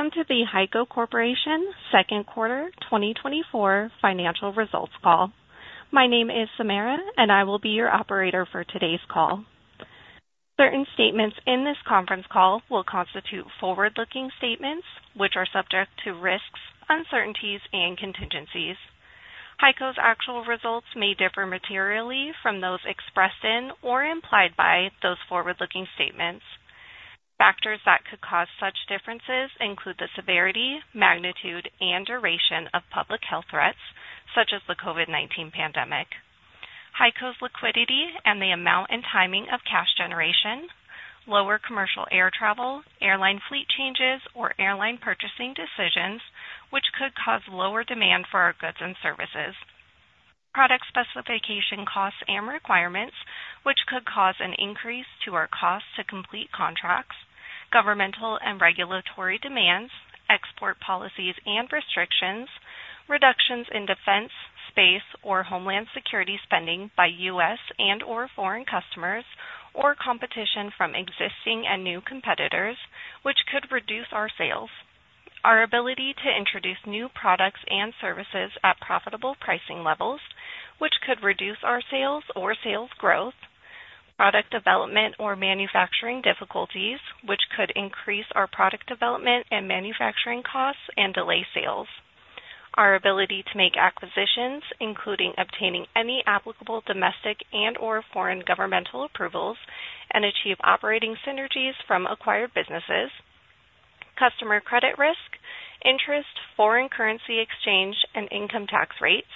Welcome to the HEICO Corporation second quarter 2024 financial results call. My name is Samara, and I will be your operator for today's call. Certain statements in this conference call will constitute forward-looking statements, which are subject to risks, uncertainties, and contingencies. HEICO's actual results may differ materially from those expressed in or implied by those forward-looking statements. Factors that could cause such differences include the severity, magnitude, and duration of public health threats, such as the COVID-19 pandemic. HEICO's liquidity and the amount and timing of cash generation. Lower commercial air travel, airline fleet changes, or airline purchasing decisions, which could cause lower demand for our goods and services. Product specification costs and requirements, which could cause an increase to our costs to complete contracts. Governmental and regulatory demands, export policies and restrictions, reductions in defense, space, or homeland security spending by U.S. and/or foreign customers, or competition from existing and new competitors, which could reduce our sales. Our ability to introduce new products and services at profitable pricing levels, which could reduce our sales or sales growth. Product development or manufacturing difficulties, which could increase our product development and manufacturing costs and delay sales. Our ability to make acquisitions, including obtaining any applicable domestic and/or foreign governmental approvals and achieve operating synergies from acquired businesses. Customer credit risk, interest, foreign currency exchange, and income tax rates.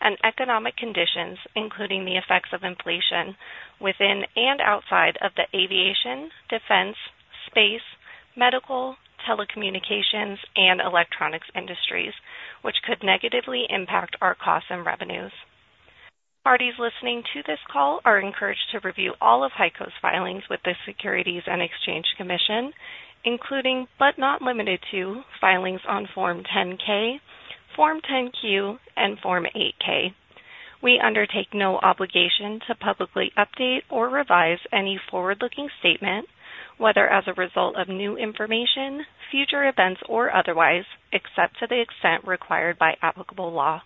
And economic conditions, including the effects of inflation within and outside of the aviation, defense, space, medical, telecommunications, and electronics industries, which could negatively impact our costs and revenues. Parties listening to this call are encouraged to review all of HEICO's filings with the Securities and Exchange Commission, including, but not limited to, filings on Form 10-K, Form 10-Q, and Form 8-K. We undertake no obligation to publicly update or revise any forward-looking statement, whether as a result of new information, future events, or otherwise, except to the extent required by applicable law.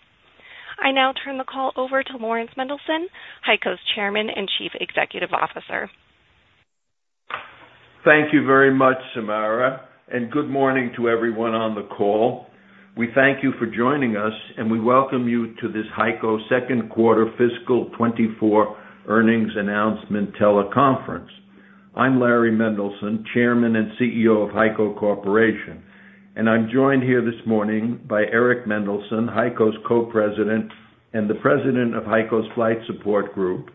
I now turn the call over to Lawrence Mendelson, HEICO's Chairman and Chief Executive Officer. Thank you very much, Samara, and good morning to everyone on the call. We thank you for joining us, and we welcome you to this HEICO second quarter fiscal 2024 earnings announcement teleconference. I'm Larry Mendelson, Chairman and CEO of HEICO Corporation, and I'm joined here this morning by Eric Mendelson, HEICO's Co-President and the President of HEICO's Flight Support Group,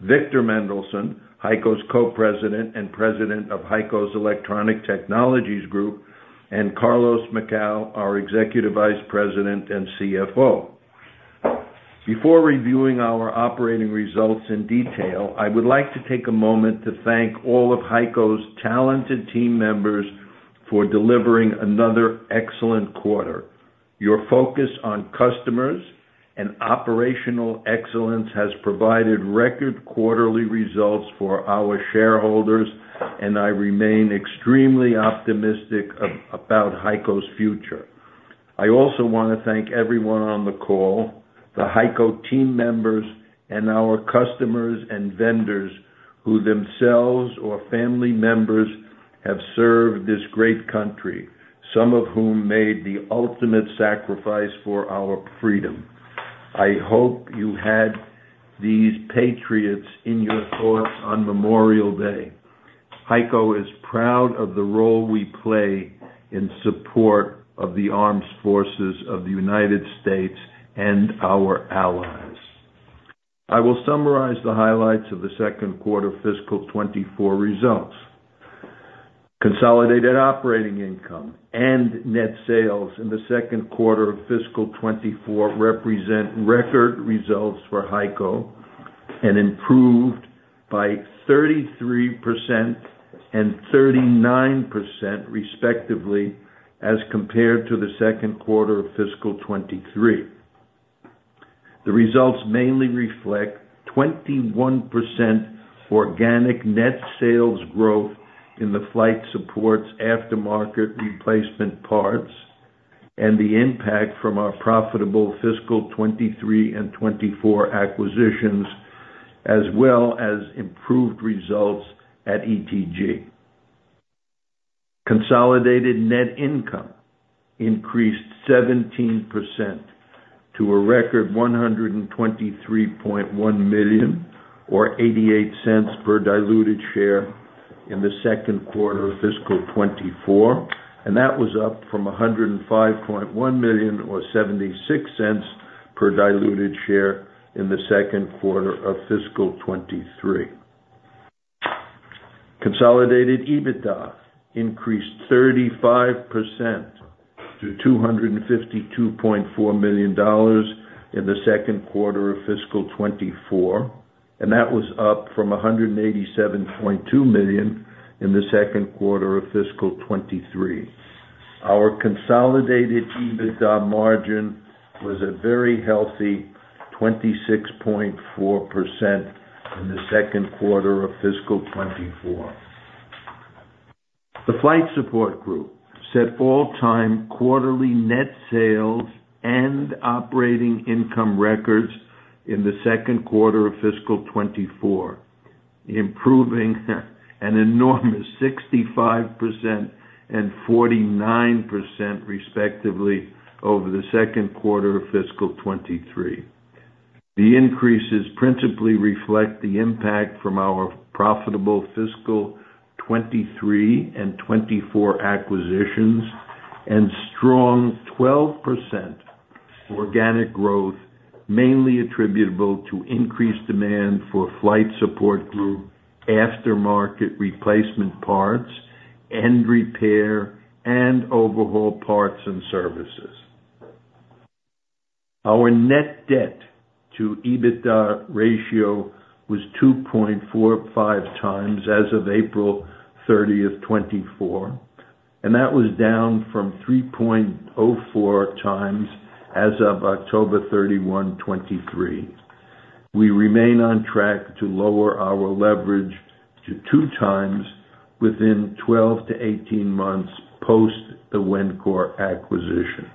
Victor Mendelson, HEICO's Co-President and President of HEICO's Electronic Technologies Group, and Carlos Macau, our Executive Vice President and CFO. Before reviewing our operating results in detail, I would like to take a moment to thank all of HEICO's talented team members for delivering another excellent quarter. Your focus on customers and operational excellence has provided record quarterly results for our shareholders, and I remain extremely optimistic about HEICO's future. I also want to thank everyone on the call, the HEICO team members and our customers and vendors who themselves or family members have served this great country, some of whom made the ultimate sacrifice for our freedom. I hope you had these patriots in your thoughts on Memorial Day. HEICO is proud of the role we play in support of the Armed Forces of the United States and our allies. I will summarize the highlights of the second quarter fiscal 2024 results. Consolidated operating income and net sales in the second quarter of fiscal 2024 represent record results for HEICO and improved by 33% and 39%, respectively, as compared to the second quarter of fiscal 2023. The results mainly reflect 21% organic net sales growth in the Flight Support's aftermarket replacement parts and the impact from our profitable fiscal 2023 and 2024 acquisitions, as well as improved results at ETG. Consolidated net income increased 17% to a record $123.1 million, or $0.88 per diluted share in the second quarter of fiscal 2024, and that was up from $105.1 million, or $0.76 per diluted share in the second quarter of fiscal 2023. Consolidated EBITDA increased 35% to $252.4 million in the second quarter of fiscal 2024, and that was up from $187.2 million in the second quarter of fiscal 2023. Our consolidated EBITDA margin was a very healthy 26.4% in the second quarter of fiscal 2024. The Flight Support Group set all-time quarterly net sales and operating income records in the second quarter of fiscal 2024, improving an enormous 65% and 49%, respectively, over the second quarter of fiscal 2023. The increases principally reflect the impact from our profitable fiscal 2023 and 2024 acquisitions, and strong 12% organic growth, mainly attributable to increased demand for Flight Support Group aftermarket replacement parts and repair and overhaul parts and services. Our net debt to EBITDA ratio was 2.45 times as of April 30, 2024, and that was down from 3.04 times as of October 31, 2023. We remain on track to lower our leverage to 2 times within 12-18 months post the Wencor acquisition.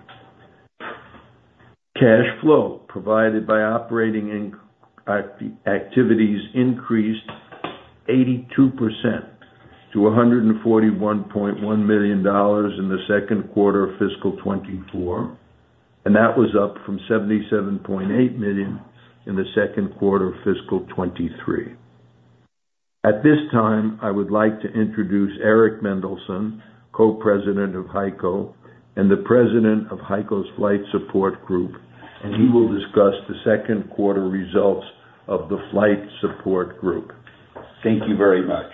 Cash flow provided by operating activities increased 82% to $141.1 million in the second quarter of fiscal 2024, and that was up from $77.8 million in the second quarter of fiscal 2023. At this time, I would like to introduce Eric Mendelson, Co-President of HEICO and the President of HEICO's Flight Support Group, and he will discuss the second quarter results of the Flight Support Group. Thank you very much.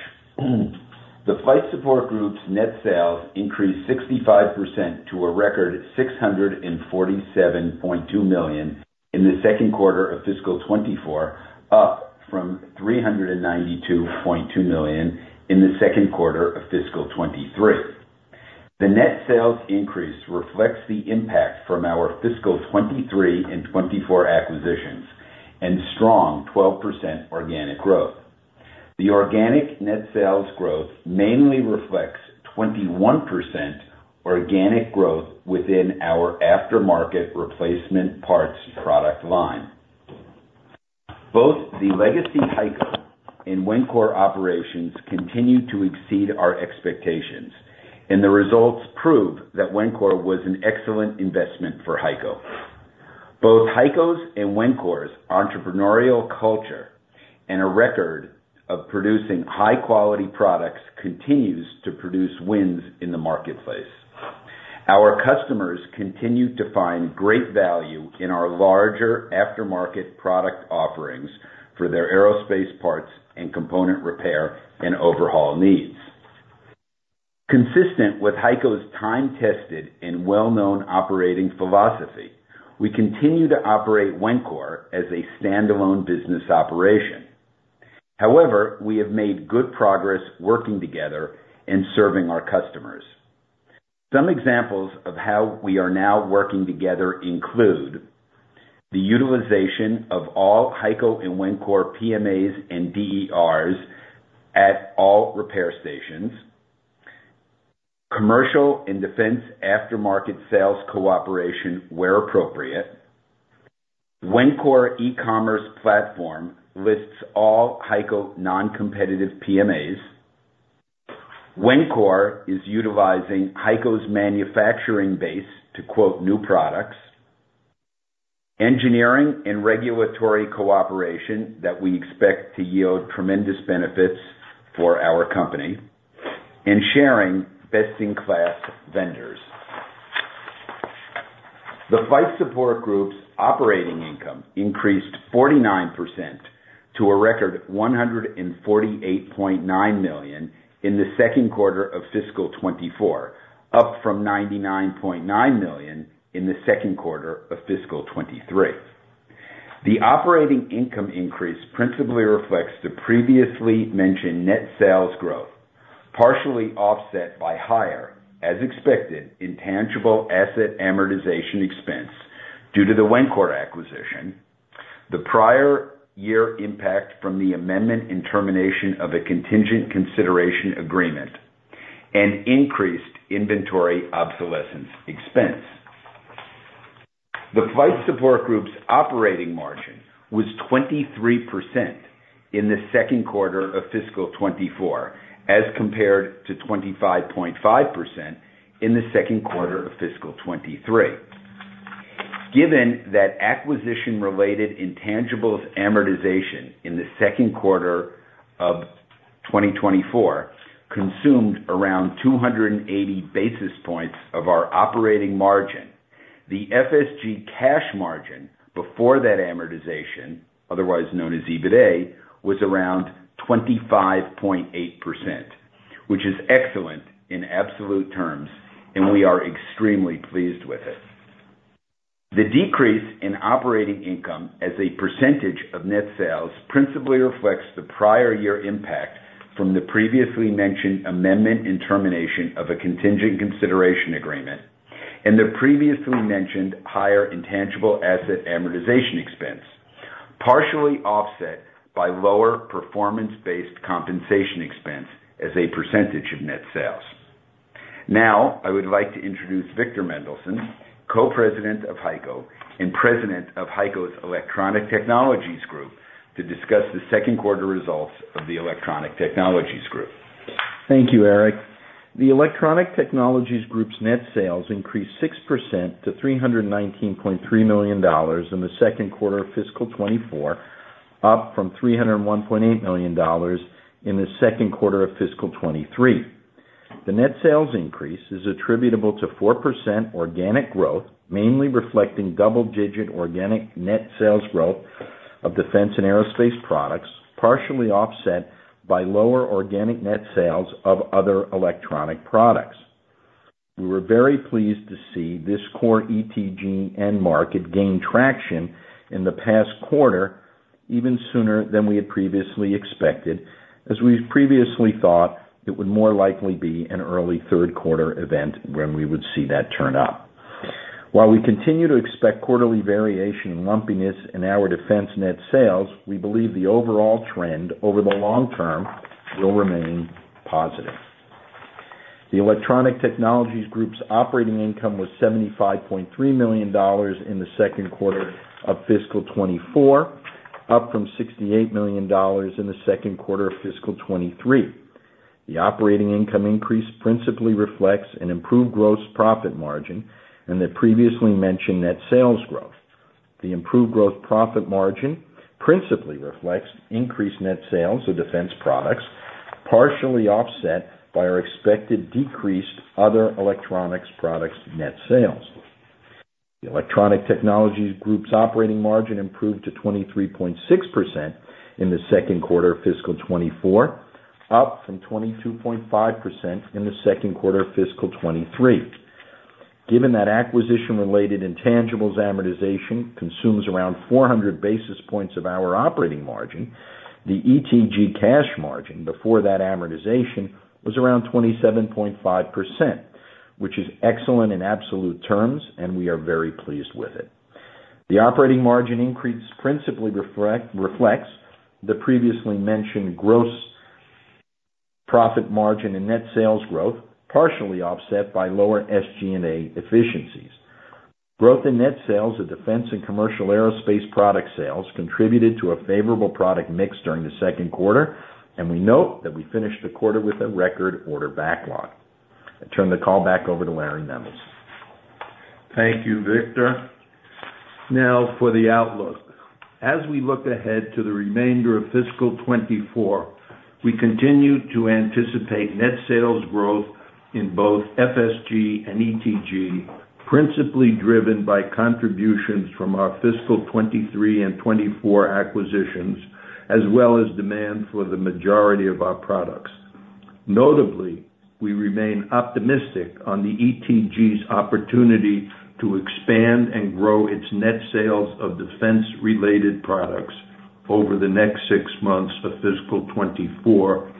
The Flight Support Group's net sales increased 65% to a record $647.2 million in the second quarter of fiscal 2024, up from $392.2 million in the second quarter of fiscal 2023. The net sales increase reflects the impact from our fiscal 2023 and 2024 acquisitions, and strong 12% organic growth. The organic net sales growth mainly reflects 21% organic growth within our aftermarket replacement parts product line. Both the legacy HEICO and Wencor operations continued to exceed our expectations, and the results prove that Wencor was an excellent investment for HEICO. Both HEICO's and Wencor's entrepreneurial culture and a record of producing high-quality products continues to produce wins in the marketplace. Our customers continue to find great value in our larger aftermarket product offerings for their aerospace parts and component repair and overhaul needs. Consistent with HEICO's time-tested and well-known operating philosophy, we continue to operate Wencor as a standalone business operation. However, we have made good progress working together and serving our customers. Some examples of how we are now working together include: the utilization of all HEICO and Wencor PMAs and DERs at all repair stations, commercial and defense aftermarket sales cooperation, where appropriate. Wencor e-commerce platform lists all HEICO non-competitive PMAs. Wencor is utilizing HEICO's manufacturing base to quote new products, engineering and regulatory cooperation that we expect to yield tremendous benefits for our company, and sharing best-in-class vendors. The Flight Support Group's operating income increased 49% to a record $148.9 million in the second quarter of fiscal 2024, up from $99.9 million in the second quarter of fiscal 2023. The operating income increase principally reflects the previously mentioned net sales growth, partially offset by higher, as expected, intangible asset amortization expense due to the Wencor acquisition, the prior year impact from the amendment and termination of a contingent consideration agreement and increased inventory obsolescence expense. The Flight Support Group's operating margin was 23% in the second quarter of fiscal 2024, as compared to 25.5% in the second quarter of fiscal 2023. Given that acquisition-related intangibles amortization in the second quarter of 2024 consumed around 280 basis points of our operating margin, the FSG cash margin before that amortization, otherwise known as EBITDA, was around 25.8%, which is excellent in absolute terms, and we are extremely pleased with it. The decrease in operating income as a percentage of net sales principally reflects the prior year impact-... from the previously mentioned amendment and termination of a contingent consideration agreement and the previously mentioned higher intangible asset amortization expense, partially offset by lower performance-based compensation expense as a percentage of net sales. Now, I would like to introduce Victor Mendelson, Co-President of HEICO and President of HEICO's Electronic Technologies Group, to discuss the second quarter results of the Electronic Technologies Group. Thank you, Eric. The Electronic Technologies Group's net sales increased 6% to $319.3 million in the second quarter of fiscal 2024, up from $301.8 million in the second quarter of fiscal 2023. The net sales increase is attributable to 4% organic growth, mainly reflecting double-digit organic net sales growth of defense and aerospace products, partially offset by lower organic net sales of other electronic products. We were very pleased to see this core ETG end market gain traction in the past quarter, even sooner than we had previously expected, as we've previously thought it would more likely be an early third quarter event when we would see that turn up. While we continue to expect quarterly variation and lumpiness in our defense net sales, we believe the overall trend over the long term will remain positive. The Electronic Technologies Group's operating income was $75.3 million in the second quarter of fiscal 2024, up from $68 million in the second quarter of fiscal 2023. The operating income increase principally reflects an improved gross profit margin and the previously mentioned net sales growth. The improved gross profit margin principally reflects increased net sales of defense products, partially offset by our expected decreased other electronics products net sales. The Electronic Technologies Group's operating margin improved to 23.6% in the second quarter of fiscal 2024, up from 22.5% in the second quarter of fiscal 2023. Given that acquisition-related intangibles amortization consumes around 400 basis points of our operating margin, the ETG cash margin before that amortization was around 27.5%, which is excellent in absolute terms, and we are very pleased with it. The operating margin increase principally reflects the previously mentioned gross profit margin and net sales growth, partially offset by lower SG&A efficiencies. Growth in net sales of defense and commercial aerospace product sales contributed to a favorable product mix during the second quarter, and we note that we finished the quarter with a record order backlog. I turn the call back over to Larry Mendelson. Thank you, Victor. Now for the outlook. As we look ahead to the remainder of fiscal 2024, we continue to anticipate net sales growth in both FSG and ETG, principally driven by contributions from our fiscal 2023 and 2024 acquisitions, as well as demand for the majority of our products. Notably, we remain optimistic on the ETG's opportunity to expand and grow its net sales of defense-related products over the next six months of fiscal 2024,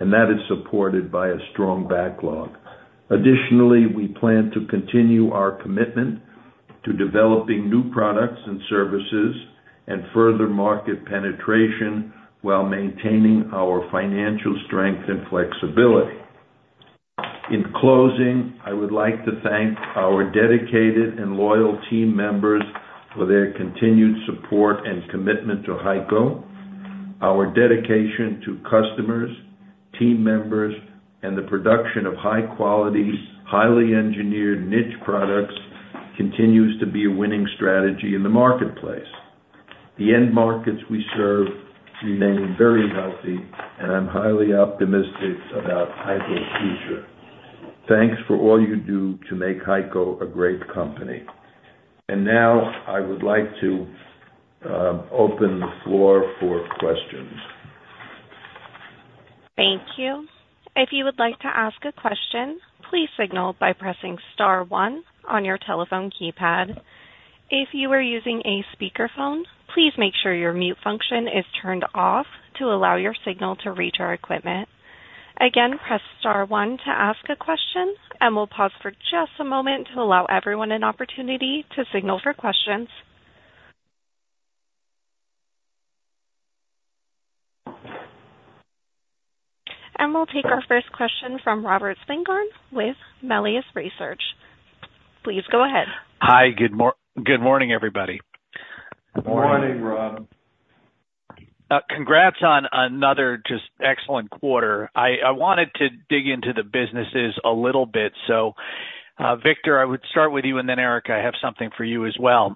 and that is supported by a strong backlog. Additionally, we plan to continue our commitment to developing new products and services and further market penetration while maintaining our financial strength and flexibility. In closing, I would like to thank our dedicated and loyal team members for their continued support and commitment to HEICO. Our dedication to customers, team members, and the production of high-quality, highly engineered niche products continues to be a winning strategy in the marketplace. The end markets we serve remain very healthy, and I'm highly optimistic about HEICO's future. Thanks for all you do to make HEICO a great company. And now I would like to open the floor for questions. Thank you. If you would like to ask a question, please signal by pressing star one on your telephone keypad. If you are using a speakerphone, please make sure your mute function is turned off to allow your signal to reach our equipment. Again, press star one to ask a question, and we'll pause for just a moment to allow everyone an opportunity to signal for questions. We'll take our first question from Robert Spingarn with Melius Research. Please go ahead. Hi, good morning, everybody. Good morning, Rob. Good morning. Congrats on another just excellent quarter. I wanted to dig into the businesses a little bit. So, Victor, I would start with you, and then, Eric, I have something for you as well.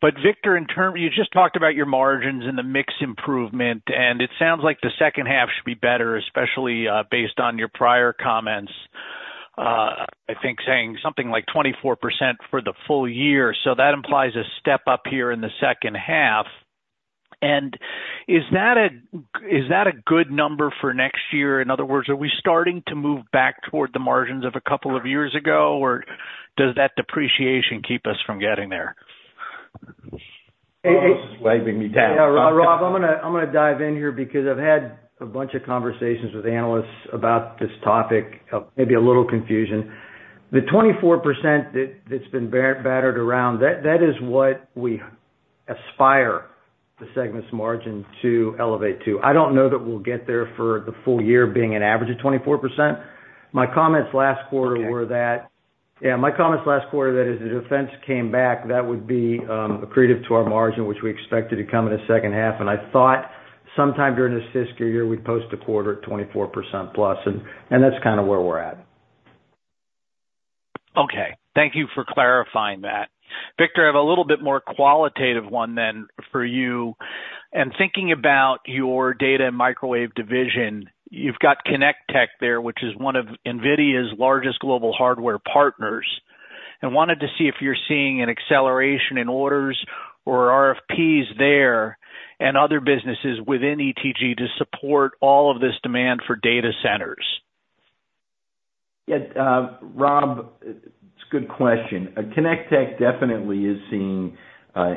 But Victor, in terms, you just talked about your margins and the mix improvement, and it sounds like the second half should be better, especially, based on your prior comments, I think saying something like 24% for the full year. So that implies a step up here in the second half. And is that a, is that a good number for next year? In other words, are we starting to move back toward the margins of a couple of years ago, or does that depreciation keep us from getting there?... Hey, hey- Rob's waving me down. Yeah, Rob, I'm gonna dive in here because I've had a bunch of conversations with analysts about this topic of maybe a little confusion. The 24% that's been battered around, that is what we aspire the segment's margin to elevate to. I don't know that we'll get there for the full year being an average of 24%. My comments last quarter- Okay. Yeah, my comments last quarter, that as the defense came back, that would be accretive to our margin, which we expected to come in the second half, and I thought sometime during this fiscal year, we'd post a quarter at 24% plus, and that's kind of where we're at. Okay, thank you for clarifying that. Victor, I have a little bit more qualitative one then for you. In thinking about your data and microwave division, you've got Connect Tech there, which is one of NVIDIA's largest global hardware partners, and wanted to see if you're seeing an acceleration in orders or RFPs there and other businesses within ETG to support all of this demand for data centers? Yeah, Rob, it's a good question. Connect Tech definitely is seeing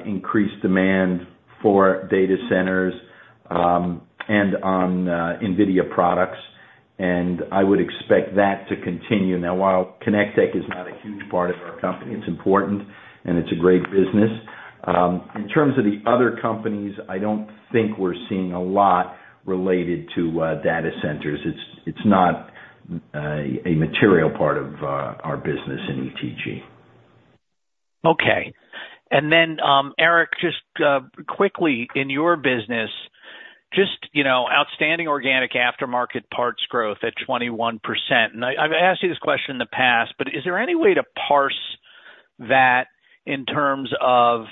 increased demand for data centers and on NVIDIA products, and I would expect that to continue. Now, while Connect Tech is not a huge part of our company, it's important, and it's a great business. In terms of the other companies, I don't think we're seeing a lot related to data centers. It's not a material part of our business in ETG. Okay. And then, Eric, just quickly, in your business, just, you know, outstanding organic aftermarket parts growth at 21%. And I, I've asked you this question in the past, but is there any way to parse that in terms of,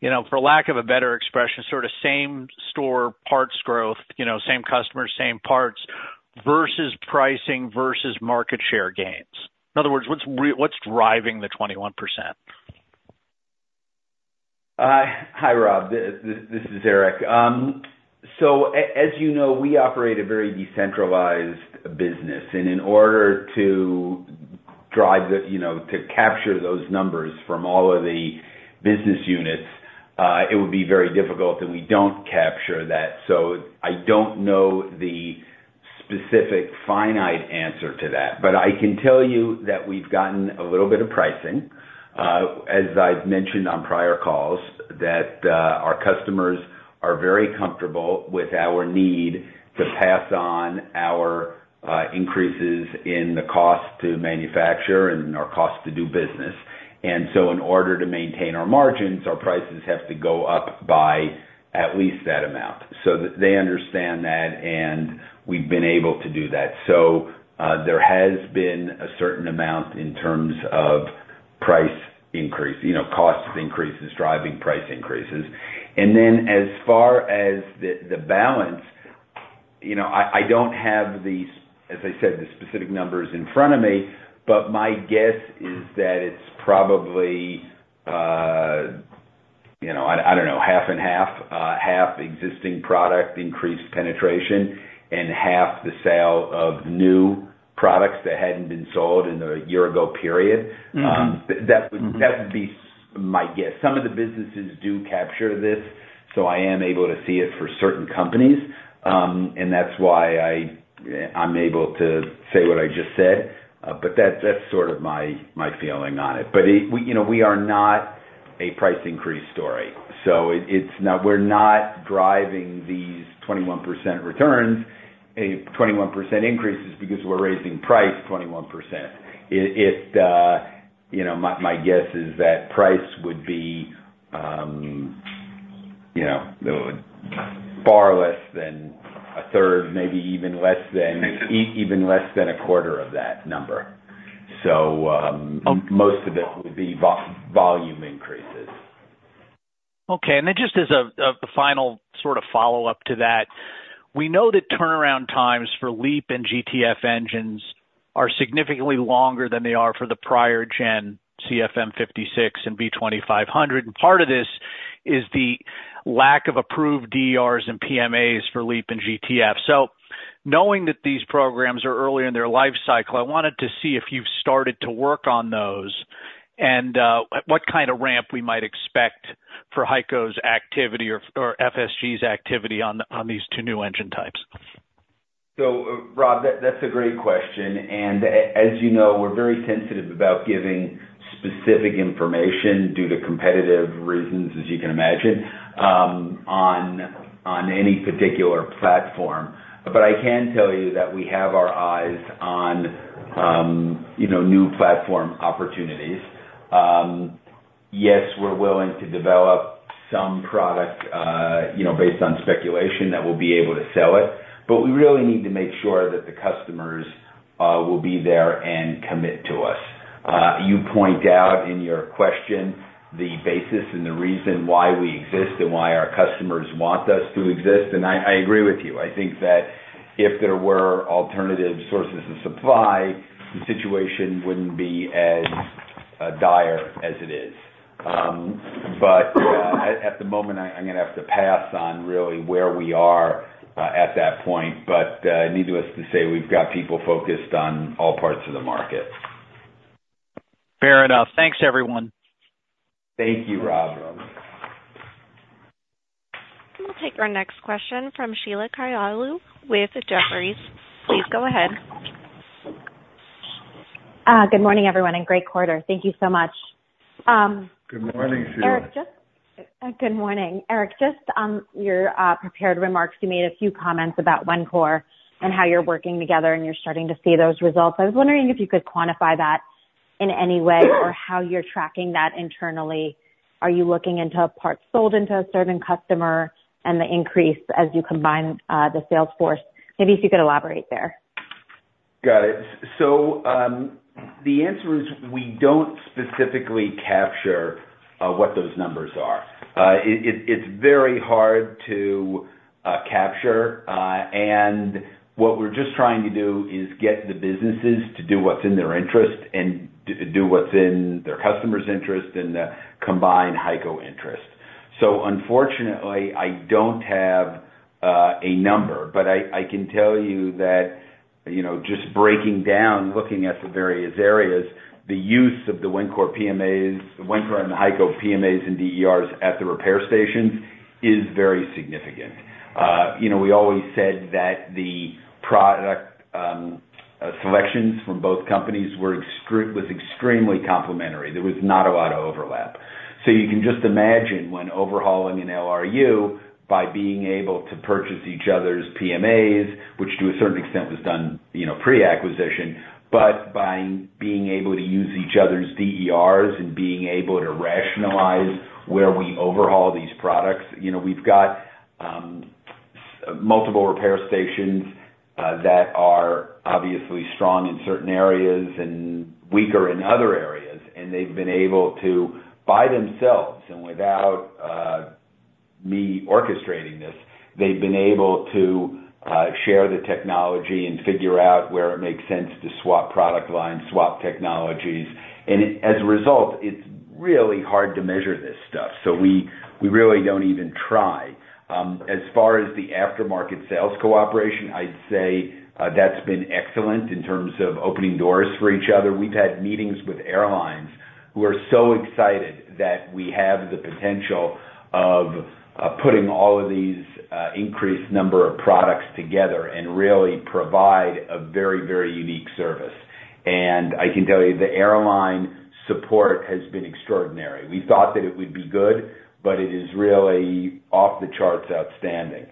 you know, for lack of a better expression, sort of same store parts growth, you know, same customers, same parts, versus pricing, versus market share gains? In other words, what's driving the 21%? Hi, Rob, this is Eric. So as you know, we operate a very decentralized business, and in order to drive the, you know, to capture those numbers from all of the business units, it would be very difficult, and we don't capture that. So I don't know the specific finite answer to that, but I can tell you that we've gotten a little bit of pricing. As I've mentioned on prior calls, that our customers are very comfortable with our need to pass on our increases in the cost to manufacture and our cost to do business. And so in order to maintain our margins, our prices have to go up by at least that amount. So they understand that, and we've been able to do that. So, there has been a certain amount in terms of price increase, you know, cost increases, driving price increases. And then as far as the balance, you know, I don't have, as I said, the specific numbers in front of me, but my guess is that it's probably, you know, I don't know, half and half. Half existing product increased penetration and half the sale of new products that hadn't been sold in a year ago period. Mm-hmm, mm-hmm. That would, that would be my guess. Some of the businesses do capture this, so I am able to see it for certain companies, and that's why I, I'm able to say what I just said. But that, that's sort of my, my feeling on it. But we, you know, we are not a price increase story, so it, it's not, we're not driving these 21% returns, a 21% increases because we're raising price 21%. It, it, you know, my, my guess is that price would be, you know, far less than a third, maybe even less than- Makes sense... even less than a quarter of that number. So, most of it would be volume increases. Okay. And then just as a final sort of follow-up to that, we know that turnaround times for LEAP and GTF engines are significantly longer than they are for the prior gen CFM56 and V2500, and part of this is the lack of approved DERs and PMAs for LEAP and GTF. So knowing that these programs are early in their life cycle, I wanted to see if you've started to work on those, and what kind of ramp we might expect for HEICO's activity or FSG's activity on these two new engine types? So, Rob, that's a great question, and as you know, we're very sensitive about giving specific information due to competitive reasons, as you can imagine, on any particular platform. But I can tell you that we have our eyes on, you know, new platform opportunities. Yes, we're willing to develop some product, you know, based on speculation that we'll be able to sell it, but we really need to make sure that the customers will be there and commit to us. You point out in your question the basis and the reason why we exist and why our customers want us to exist, and I, I agree with you. I think that if there were alternative sources of supply, the situation wouldn't be as dire as it is. But at the moment, I'm gonna have to pass on really where we are at that point. But needless to say, we've got people focused on all parts of the market.... Fair enough. Thanks, everyone. Thank you, Rob. We'll take our next question from Sheila Kahyaoglu with Jefferies. Please go ahead. Good morning, everyone, and great quarter. Thank you so much. Good morning, Sheila. Good morning, Eric. Just on your prepared remarks, you made a few comments about Wencor and how you're working together, and you're starting to see those results. I was wondering if you could quantify that in any way, or how you're tracking that internally. Are you looking into parts sold into a certain customer and the increase as you combine the sales force? Maybe if you could elaborate there. Got it. So, the answer is we don't specifically capture what those numbers are. It's very hard to capture. And what we're just trying to do is get the businesses to do what's in their interest and do what's in their customers' interest, and the combined HEICO interest. So unfortunately, I don't have a number, but I can tell you that, you know, just breaking down, looking at the various areas, the use of the Wencor PMAs, Wencor and HEICO PMAs and DERs at the repair stations is very significant. You know, we always said that the product selections from both companies were extremely complementary. There was not a lot of overlap. So you can just imagine when overhauling an LRU, by being able to purchase each other's PMAs, which to a certain extent was done, you know, pre-acquisition, but by being able to use each other's DERs and being able to rationalize where we overhaul these products, you know, we've got multiple repair stations that are obviously strong in certain areas and weaker in other areas, and they've been able to, by themselves, and without me orchestrating this, they've been able to share the technology and figure out where it makes sense to swap product lines, swap technologies. And as a result, it's really hard to measure this stuff. So we really don't even try. As far as the aftermarket sales cooperation, I'd say that's been excellent in terms of opening doors for each other. We've had meetings with airlines who are so excited that we have the potential of putting all of these increased number of products together and really provide a very, very unique service. And I can tell you, the airline support has been extraordinary. We thought that it would be good, but it is really off the charts outstanding.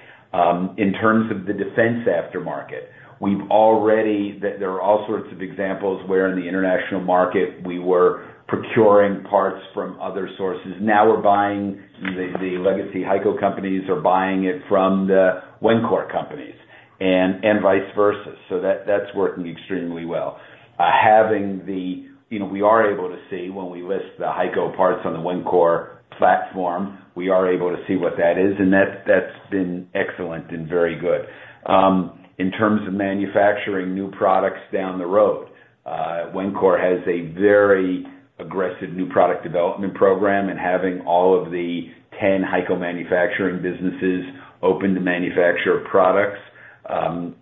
In terms of the defense aftermarket, we've already... There are all sorts of examples where in the international market, we were procuring parts from other sources. Now we're buying, the legacy HEICO companies are buying it from the Wencor companies and vice versa. So that's working extremely well. Having the... You know, we are able to see when we list the HEICO parts on the Wencor platform, we are able to see what that is, and that's been excellent and very good. In terms of manufacturing new products down the road, Wencor has a very aggressive new product development program, and having all of the 10 HEICO manufacturing businesses open to manufacture products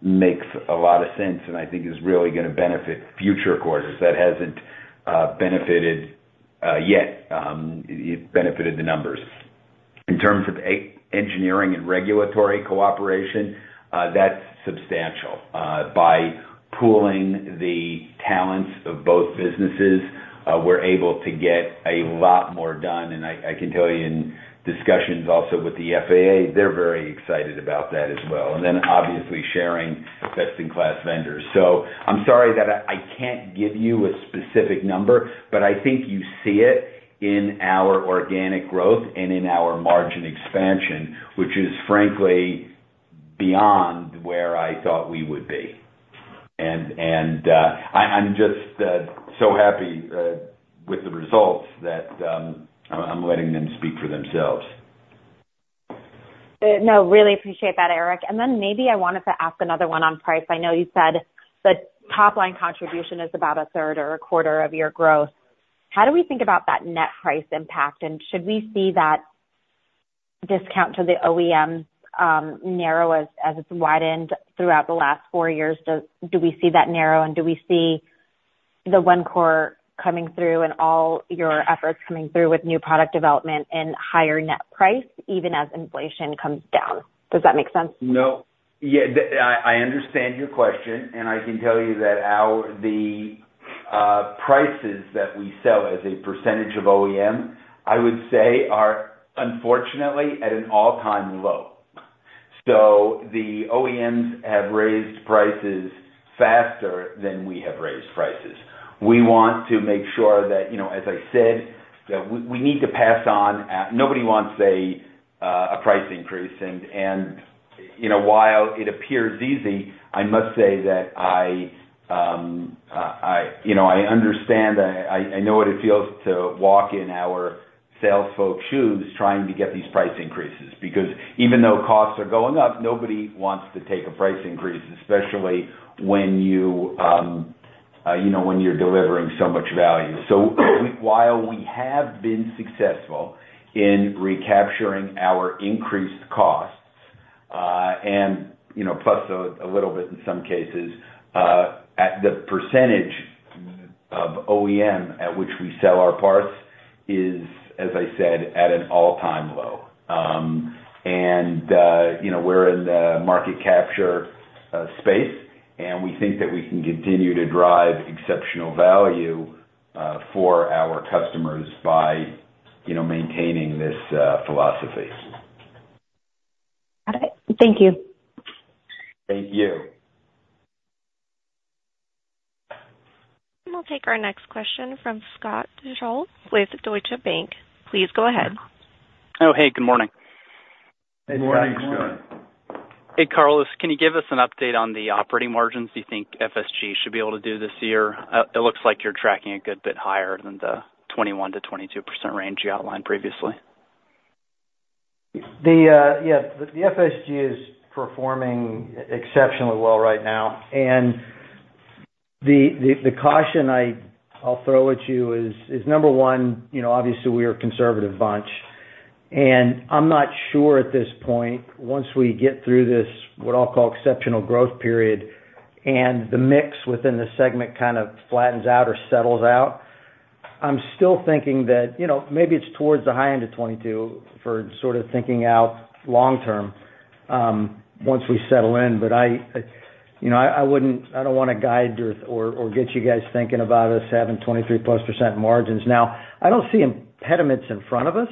makes a lot of sense, and I think is really gonna benefit future quarters. That hasn't benefited yet, it benefited the numbers. In terms of engineering and regulatory cooperation, that's substantial. By pooling the talents of both businesses, we're able to get a lot more done, and I can tell you in discussions also with the FAA, they're very excited about that as well, and then obviously sharing best-in-class vendors. So I'm sorry that I can't give you a specific number, but I think you see it in our organic growth and in our margin expansion, which is frankly beyond where I thought we would be. I'm just so happy with the results that I'm letting them speak for themselves. No, really appreciate that, Eric. And then maybe I wanted to ask another one on price. I know you said the top line contribution is about a third or a quarter of your growth. How do we think about that net price impact? And should we see that discount to the OEM narrow as it's widened throughout the last four years? Do we see that narrow, and do we see the Wencor coming through and all your efforts coming through with new product development and higher net price, even as inflation comes down? Does that make sense? No. Yeah, I understand your question, and I can tell you that our prices that we sell as a percentage of OEM, I would say, are unfortunately at an all-time low. So the OEMs have raised prices faster than we have raised prices. We want to make sure that, you know, as I said, that we need to pass on. Nobody wants a price increase, and you know, while it appears easy, I must say that I you know, I understand and I know what it feels to walk in our sales folks' shoes trying to get these price increases, because even though costs are going up, nobody wants to take a price increase, especially when you you know, when you're delivering so much value. So while we have been successful in recapturing our increased costs. And, you know, plus a little bit in some cases, at the percentage of OEM at which we sell our parts is, as I said, at an all-time low. And, you know, we're in the market capture space, and we think that we can continue to drive exceptional value for our customers by, you know, maintaining this philosophy. Got it. Thank you. Thank you. We'll take our next question from Scott Deuschle with Deutsche Bank. Please go ahead. Oh, hey, good morning. Good morning, Scott. Good morning. Hey, Carlos, can you give us an update on the operating margins you think FSG should be able to do this year? It looks like you're tracking a good bit higher than the 21%-22% range you outlined previously. The FSG is performing exceptionally well right now. And the caution I'll throw at you is number one, you know, obviously, we're a conservative bunch, and I'm not sure at this point, once we get through this, what I'll call exceptional growth period, and the mix within the segment kind of flattens out or settles out. I'm still thinking that, you know, maybe it's towards the high end of 22 for sort of thinking out long term, once we settle in. But I, you know, wouldn't. I don't wanna guide or get you guys thinking about us having 23+% margins. Now, I don't see impediments in front of us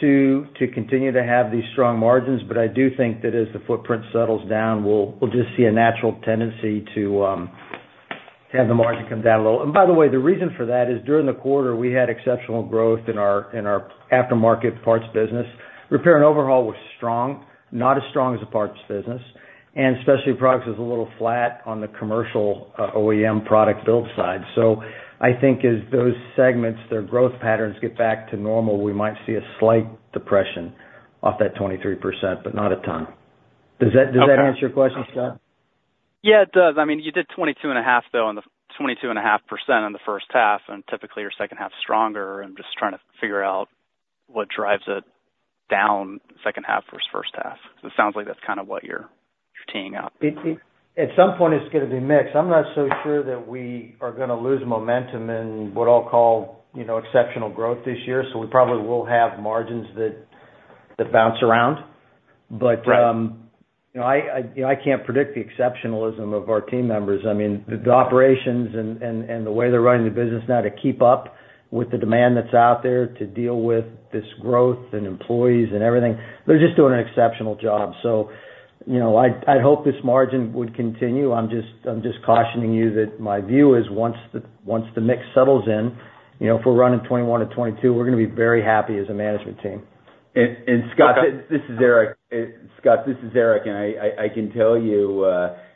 to, to continue to have these strong margins, but I do think that as the footprint settles down, we'll, we'll just see a natural tendency to have the margin come down a little. And by the way, the reason for that is during the quarter, we had exceptional growth in our, in our aftermarket parts business. Repair and overhaul was strong, not as strong as the parts business, and especially products was a little flat on the commercial OEM product build side. So I think as those segments, their growth patterns get back to normal, we might see a slight depression off that 23%, but not a ton. Okay. Does that answer your question, Scott? Yeah, it does. I mean, you did 22.5%, though, on the first half, and typically, your second half is stronger. I'm just trying to figure out what drives it down second half versus first half. So it sounds like that's kind of what you're teeing up. At some point, it's gonna be mixed. I'm not so sure that we are gonna lose momentum in what I'll call, you know, exceptional growth this year. So we probably will have margins that bounce around. Right. But, you know, I can't predict the exceptionalism of our team members. I mean, the operations and the way they're running the business now to keep up with the demand that's out there, to deal with this growth and employees and everything, they're just doing an exceptional job. So, you know, I'd hope this margin would continue. I'm just cautioning you that my view is once the mix settles in, you know, if we're running 21-22, we're gonna be very happy as a management team. And Scott, this is Eric. Scott, this is Eric, and I can tell you,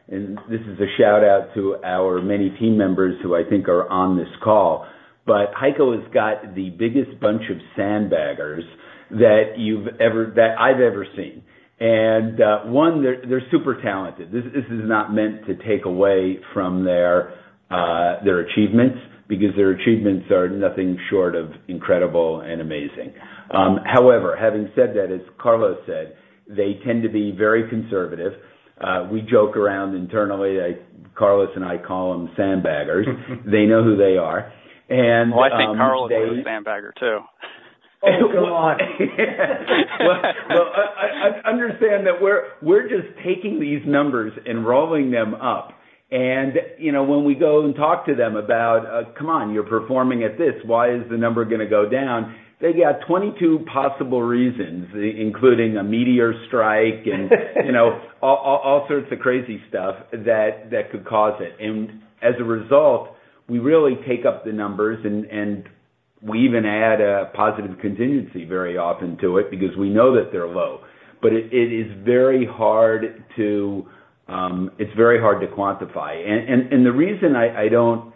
and this is a shout-out to our many team members who I think are on this call, but HEICO has got the biggest bunch of sandbaggers that you've ever—that I've ever seen. And one, they're super talented. This is not meant to take away from their achievements, because their achievements are nothing short of incredible and amazing. However, having said that, as Carlos said, they tend to be very conservative. We joke around internally, Carlos and I call them sandbaggers. They know who they are, and they— Well, I think Carlos is a sandbagger, too. Oh, come on! Well, well, understand that we're just taking these numbers and rolling them up. And, you know, when we go and talk to them about, "Come on, you're performing at this, why is the number gonna go down?" They got 22 possible reasons, including a meteor strike and you know, all sorts of crazy stuff that could cause it. And as a result, we really take up the numbers and we even add a positive contingency very often to it, because we know that they're low. But it is very hard to, it's very hard to quantify. And the reason I don't,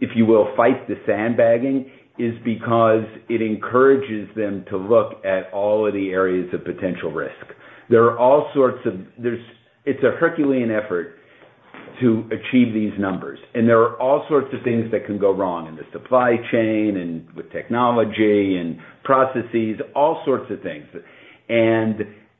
if you will, fight the sandbagging, is because it encourages them to look at all of the areas of potential risk. There are all sorts of things. It's a Herculean effort to achieve these numbers, and there are all sorts of things that can go wrong in the supply chain and with technology and processes, all sorts of things.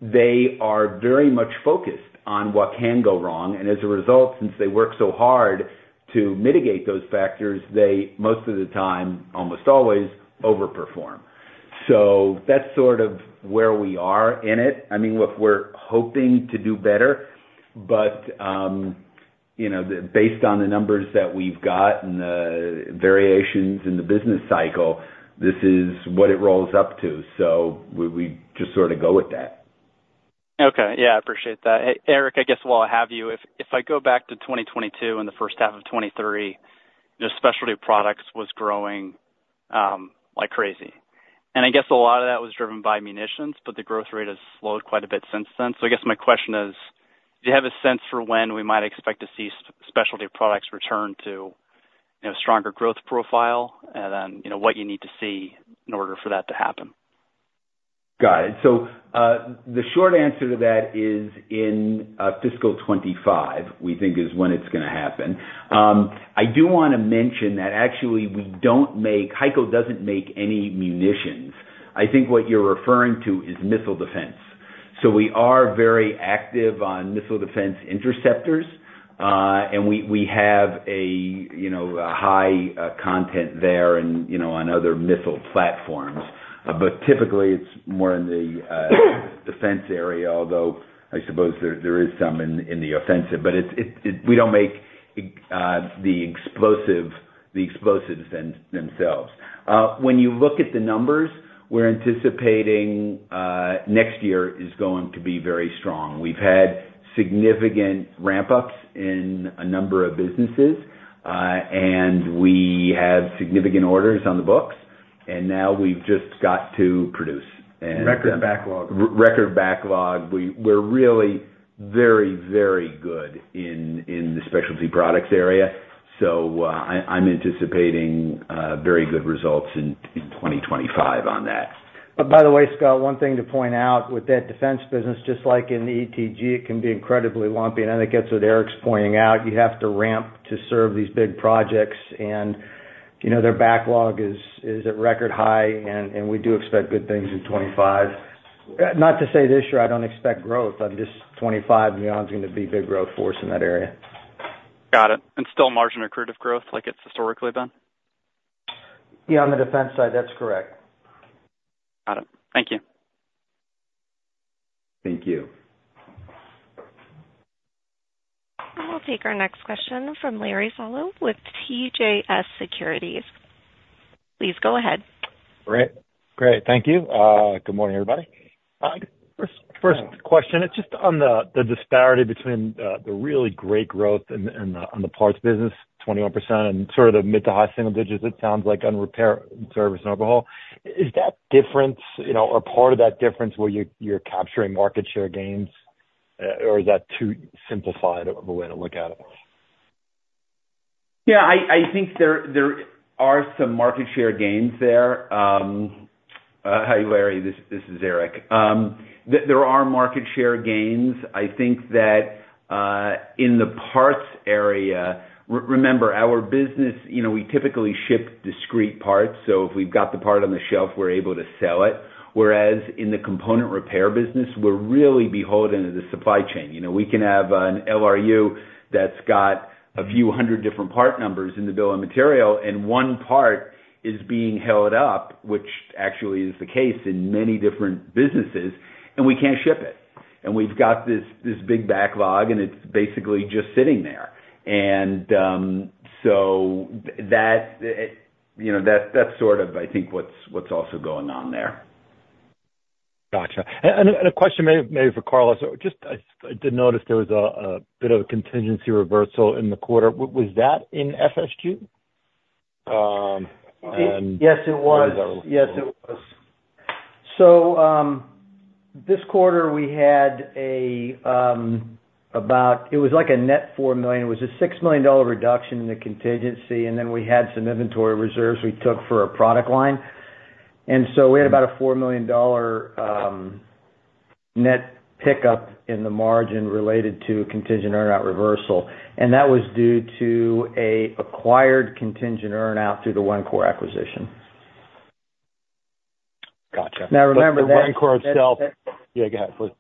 They are very much focused on what can go wrong, and as a result, since they work so hard to mitigate those factors, they, most of the time, almost always, overperform. So that's sort of where we are in it. I mean, look, we're hoping to do better, but, you know, the, based on the numbers that we've got and the variations in the business cycle, this is what it rolls up to, so we, we just sort of go with that. Okay. Yeah, I appreciate that. Hey, Eric, I guess, while I have you, if, if I go back to 2022 and the first half of 2023, the specialty products was growing, like crazy. And I guess a lot of that was driven by munitions, but the growth rate has slowed quite a bit since then. So I guess my question is: Do you have a sense for when we might expect to see specialty products return to, you know, stronger growth profile? And then, you know, what you need to see in order for that to happen. Got it. So, the short answer to that is in fiscal 2025, we think is when it's gonna happen. I do wanna mention that actually, we don't make—HEICO doesn't make any munitions. I think what you're referring to is missile defense. So we are very active on missile defense interceptors, and we, we have a, you know, a high content there and, you know, on other missile platforms. But typically, it's more in the defense area, although I suppose there, there is some in, in the offensive, but it's, it's we don't make the explosive, the explosives themselves. When you look at the numbers, we're anticipating next year is going to be very strong. We've had significant ramp-ups in a number of businesses, and we have significant orders on the books, and now we've just got to produce. And- Record backlog. Record backlog. We're really very, very good in the specialty products area, so I'm anticipating very good results in 2025 on that. But by the way, Scott, one thing to point out with that defense business, just like in the ETG, it can be incredibly lumpy, and I think that's what Eric's pointing out. You have to ramp to serve these big projects, and, you know, their backlog is at record high, and we do expect good things in 2025. Not to say this year I don't expect growth, but just 2025, you know, is going to be a big growth force in that area. Got it. Still margin accretive growth like it's historically been? Yeah, on the defense side, that's correct. Got it. Thank you. Thank you. I'll take our next question from Larry Solow with CJS Securities. Please go ahead. Great. Great, thank you. Good morning, everybody. First question, it's just on the disparity between the really great growth in the parts business, 21%, and sort of the mid to high single digits, it sounds like, on repair and service and overhaul. Is that difference, you know, or part of that difference where you're capturing market share gains, or is that too simplified of a way to look at it? Yeah, I think there are some market share gains there. Hi, Larry, this is Eric. There are market share gains. I think that in the parts area... Remember, our business, you know, we typically ship discrete parts, so if we've got the part on the shelf, we're able to sell it. Whereas in the component repair business, we're really beholden to the supply chain. You know, we can have an LRU that's got a few hundred different part numbers in the bill of material, and one part is being held up, which actually is the case in many different businesses, and we can't ship it. And we've got this big backlog, and it's basically just sitting there. So that, you know, that's sort of I think what's also going on there. Gotcha. And a question maybe for Carlos. Just, I did notice there was a bit of a contingency reversal in the quarter. Was that in FSG? Um, um- Yes, it was. Yes, it was. So, this quarter, we had a about. It was like a net $4 million. It was a $6 million reduction in the contingency, and then we had some inventory reserves we took for a product line. And so we had about a $4 million net pickup in the margin related to contingent earnout reversal, and that was due to an acquired contingent earnout through the Wencor acquisition. Gotcha. Now, remember that- The Wencor itself - Yeah, go ahead, please.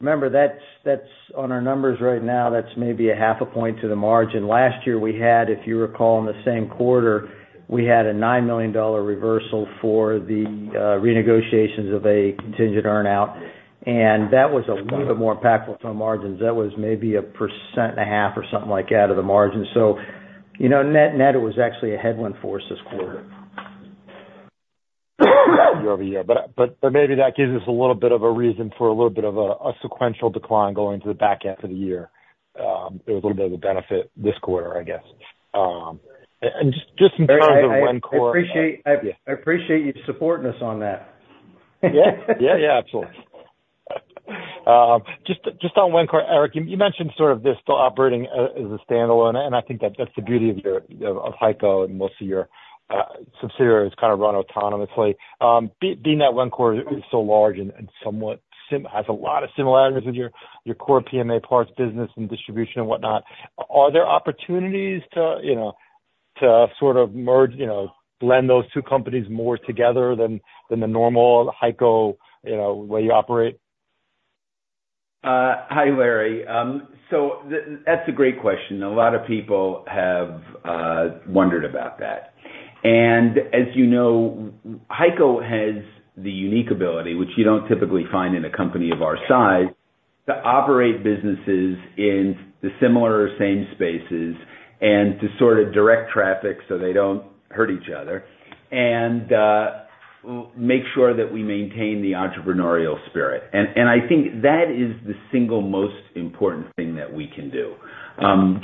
Remember, that's, that's on our numbers right now, that's maybe 0.5 point to the margin. Last year, we had, if you recall, in the same quarter, we had a $9 million reversal for the renegotiations of a contingent earnout, and that was even more impactful to our margins. That was maybe 1.5% or something like out of the margin. So, you know, net, net, it was actually a headwind for this quarter. Year over year, but maybe that gives us a little bit of a reason for a little bit of a sequential decline going to the back end of the year. There was a little bit of a benefit this quarter, I guess. And just, just in terms of Wencor- I appreciate you supporting us on that. Yeah. Yeah, yeah, absolutely. Just, just on Wencor, Eric, you, you mentioned sort of this still operating as a standalone, and I think that that's the beauty of your, of, of HEICO and most of your subsidiaries kind of run autonomously. Being that Wencor is so large and, and somewhat has a lot of similarities with your, your core PMA parts, business and distribution and whatnot, are there opportunities to, you know, to sort of merge, you know, blend those two companies more together than, than the normal HEICO, you know, way you operate? Hi, Larry. So that's a great question. A lot of people have wondered about that. And as you know, HEICO has the unique ability, which you don't typically find in a company of our size, to operate businesses in the similar or same spaces and to sort of direct traffic so they don't hurt each other, and make sure that we maintain the entrepreneurial spirit. And I think that is the single most important thing that we can do.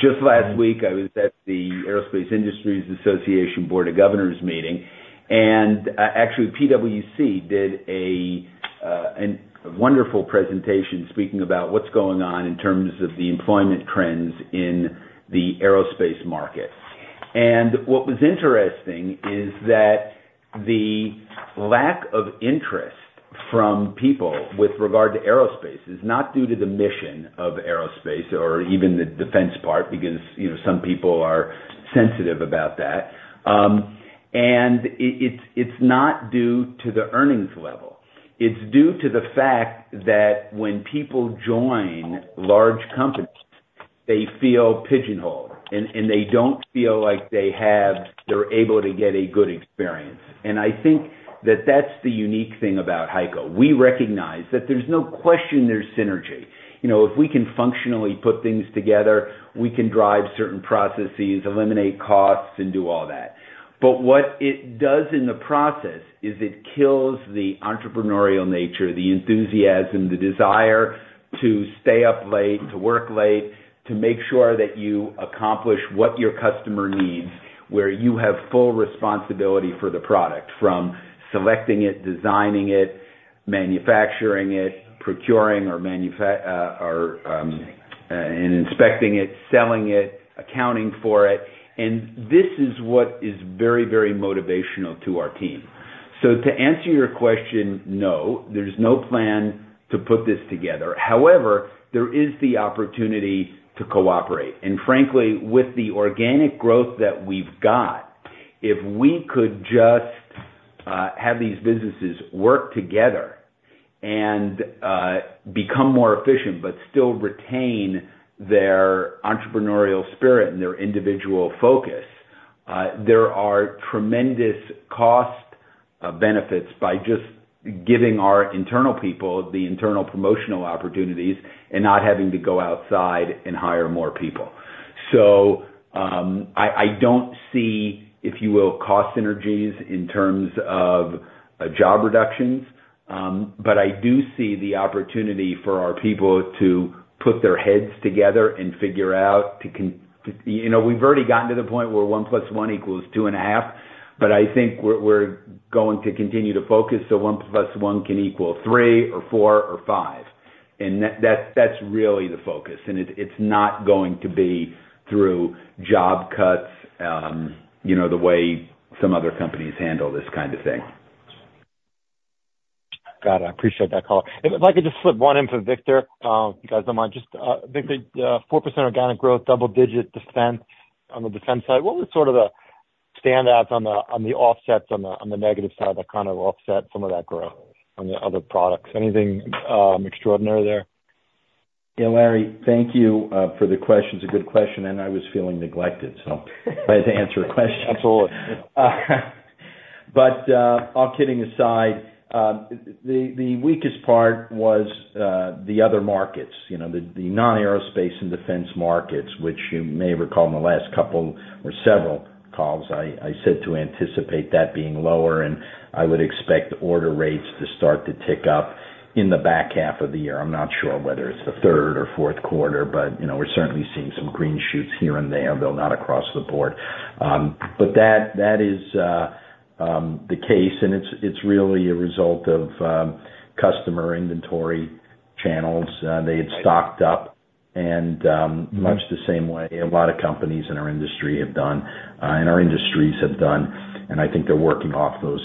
Just last week, I was at the Aerospace Industries Association Board of Governors meeting, and actually, PwC did a wonderful presentation speaking about what's going on in terms of the employment trends in the aerospace market. What was interesting is that the lack of interest from people with regard to aerospace is not due to the mission of aerospace or even the defense part, because, you know, some people are sensitive about that. It's not due to the earnings level. It's due to the fact that when people join large companies, they feel pigeonholed, and they don't feel like they have—they're able to get a good experience. And I think that that's the unique thing about HEICO. We recognize that there's no question there's synergy. You know, if we can functionally put things together, we can drive certain processes, eliminate costs, and do all that. But what it does in the process is it kills the entrepreneurial nature, the enthusiasm, the desire to stay up late, to work late, to make sure that you accomplish what your customer needs, where you have full responsibility for the product, from selecting it, designing it, manufacturing it, procuring or manufacturing, and inspecting it, selling it, accounting for it. And this is what is very, very motivational to our team. So to answer your question, no, there's no plan to put this together. However, there is the opportunity to cooperate. And frankly, with the organic growth that we've got, if we could just have these businesses work together and become more efficient but still retain their entrepreneurial spirit and their individual focus, there are tremendous cost benefits by just giving our internal people the internal promotional opportunities and not having to go outside and hire more people. So, I don't see, if you will, cost synergies in terms of job reductions. But I do see the opportunity for our people to put their heads together and figure out. You know, we've already gotten to the point where one plus one equals two and a half, but I think we're going to continue to focus, so one plus one can equal three or four or five. That's really the focus, and it's not going to be through job cuts, you know, the way some other companies handle this kind of thing. Got it. I appreciate that, Carl. If I could just slip one in for Victor, if you guys don't mind. Just, Victor, 4% organic growth, double-digit defense, on the defense side. What was sort of the standouts on the offsets on the negative side that kind of offset some of that growth on the other products? Anything, extraordinary there? Yeah, Larry, thank you for the question. It's a good question, and I was feeling neglected, so glad to answer your question. Absolutely. But all kidding aside, the weakest part was the other markets, you know, the non-aerospace and defense markets, which you may recall in the last couple or several calls, I said to anticipate that being lower, and I would expect order rates to start to tick up in the back half of the year. I'm not sure whether it's the third or fourth quarter, but you know, we're certainly seeing some green shoots here and there, though not across the board. But that is the case, and it's really a result of customer inventory channels. They had stocked up and, much the same way a lot of companies in our industry have done, and our industries have done, and I think they're working off those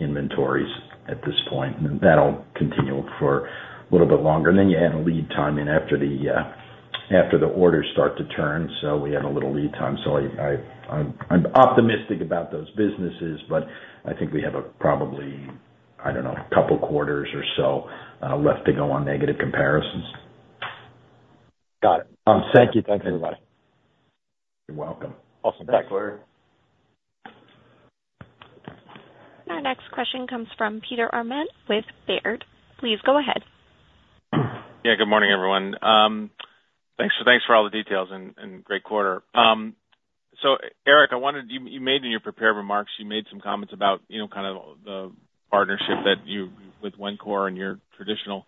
inventories at this point, and that'll continue for a little bit longer. And then you add a lead time in after the orders start to turn, so we had a little lead time. So I'm optimistic about those businesses, but I think we have probably, I don't know, a couple quarters or so left to go on negative comparisons. Got it. Um- Thank you. Thanks, everybody. You're welcome. Awesome. Thanks. Thanks, Larry. Our next question comes from Peter Arment with Baird. Please go ahead. Yeah, good morning, everyone. Thanks, thanks for all the details and, and great quarter. So Eric, I wondered, you, you made in your prepared remarks, you made some comments about, you know, kind of the partnership that you, with Wencor and your traditional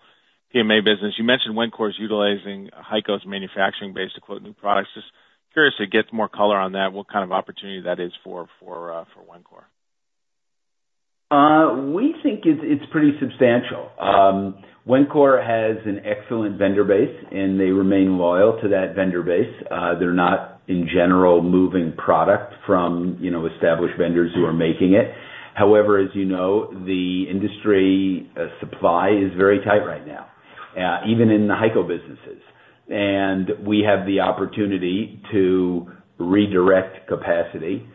PMA business. You mentioned Wencor is utilizing HEICO's manufacturing base to quote new products. Just curious to get more color on that, what kind of opportunity that is for, for, for Wencor? We think it's pretty substantial. Wencor has an excellent vendor base, and they remain loyal to that vendor base. They're not, in general, moving product from, you know, established vendors who are making it. However, as you know, the industry supply is very tight right now, even in the HEICO businesses. And we have the opportunity to redirect capacity,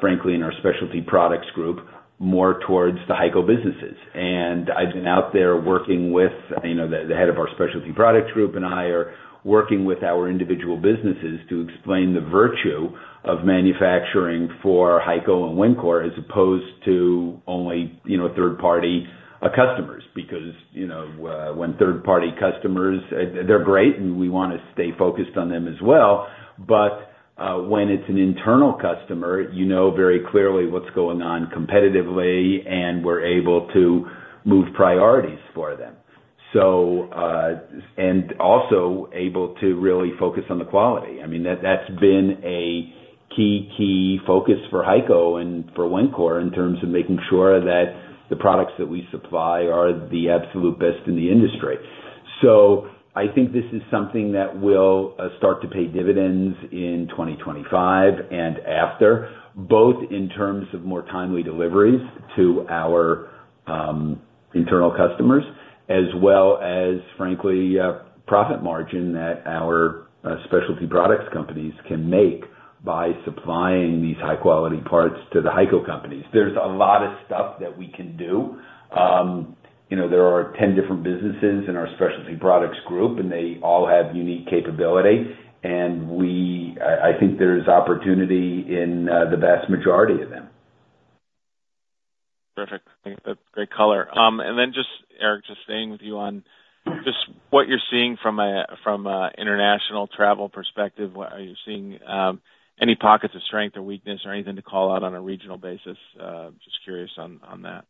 frankly, in our specialty products group, more towards the HEICO businesses. And I've been out there working with, you know, the head of our specialty products group and I are working with our individual businesses to explain the virtue of manufacturing for HEICO and Wencor, as opposed to only, you know, third-party customers. Because, you know, when third-party customers, they're great, and we wanna stay focused on them as well, but when it's an internal customer, you know very clearly what's going on competitively, and we're able to move priorities for them. So, and also able to really focus on the quality. I mean, that's been a key, key focus for HEICO and for Wencor in terms of making sure that the products that we supply are the absolute best in the industry. So I think this is something that will start to pay dividends in 2025 and after, both in terms of more timely deliveries to our-... internal customers, as well as frankly, profit margin that our, specialty products companies can make by supplying these high-quality parts to the HEICO companies. There's a lot of stuff that we can do. You know, there are 10 different businesses in our specialty products group, and they all have unique capability, and I think there's opportunity in the vast majority of them. Perfect. I think that's great color. And then just, Eric, just staying with you on just what you're seeing from an international travel perspective, what are you seeing, any pockets of strength or weakness or anything to call out on a regional basis? Just curious on that.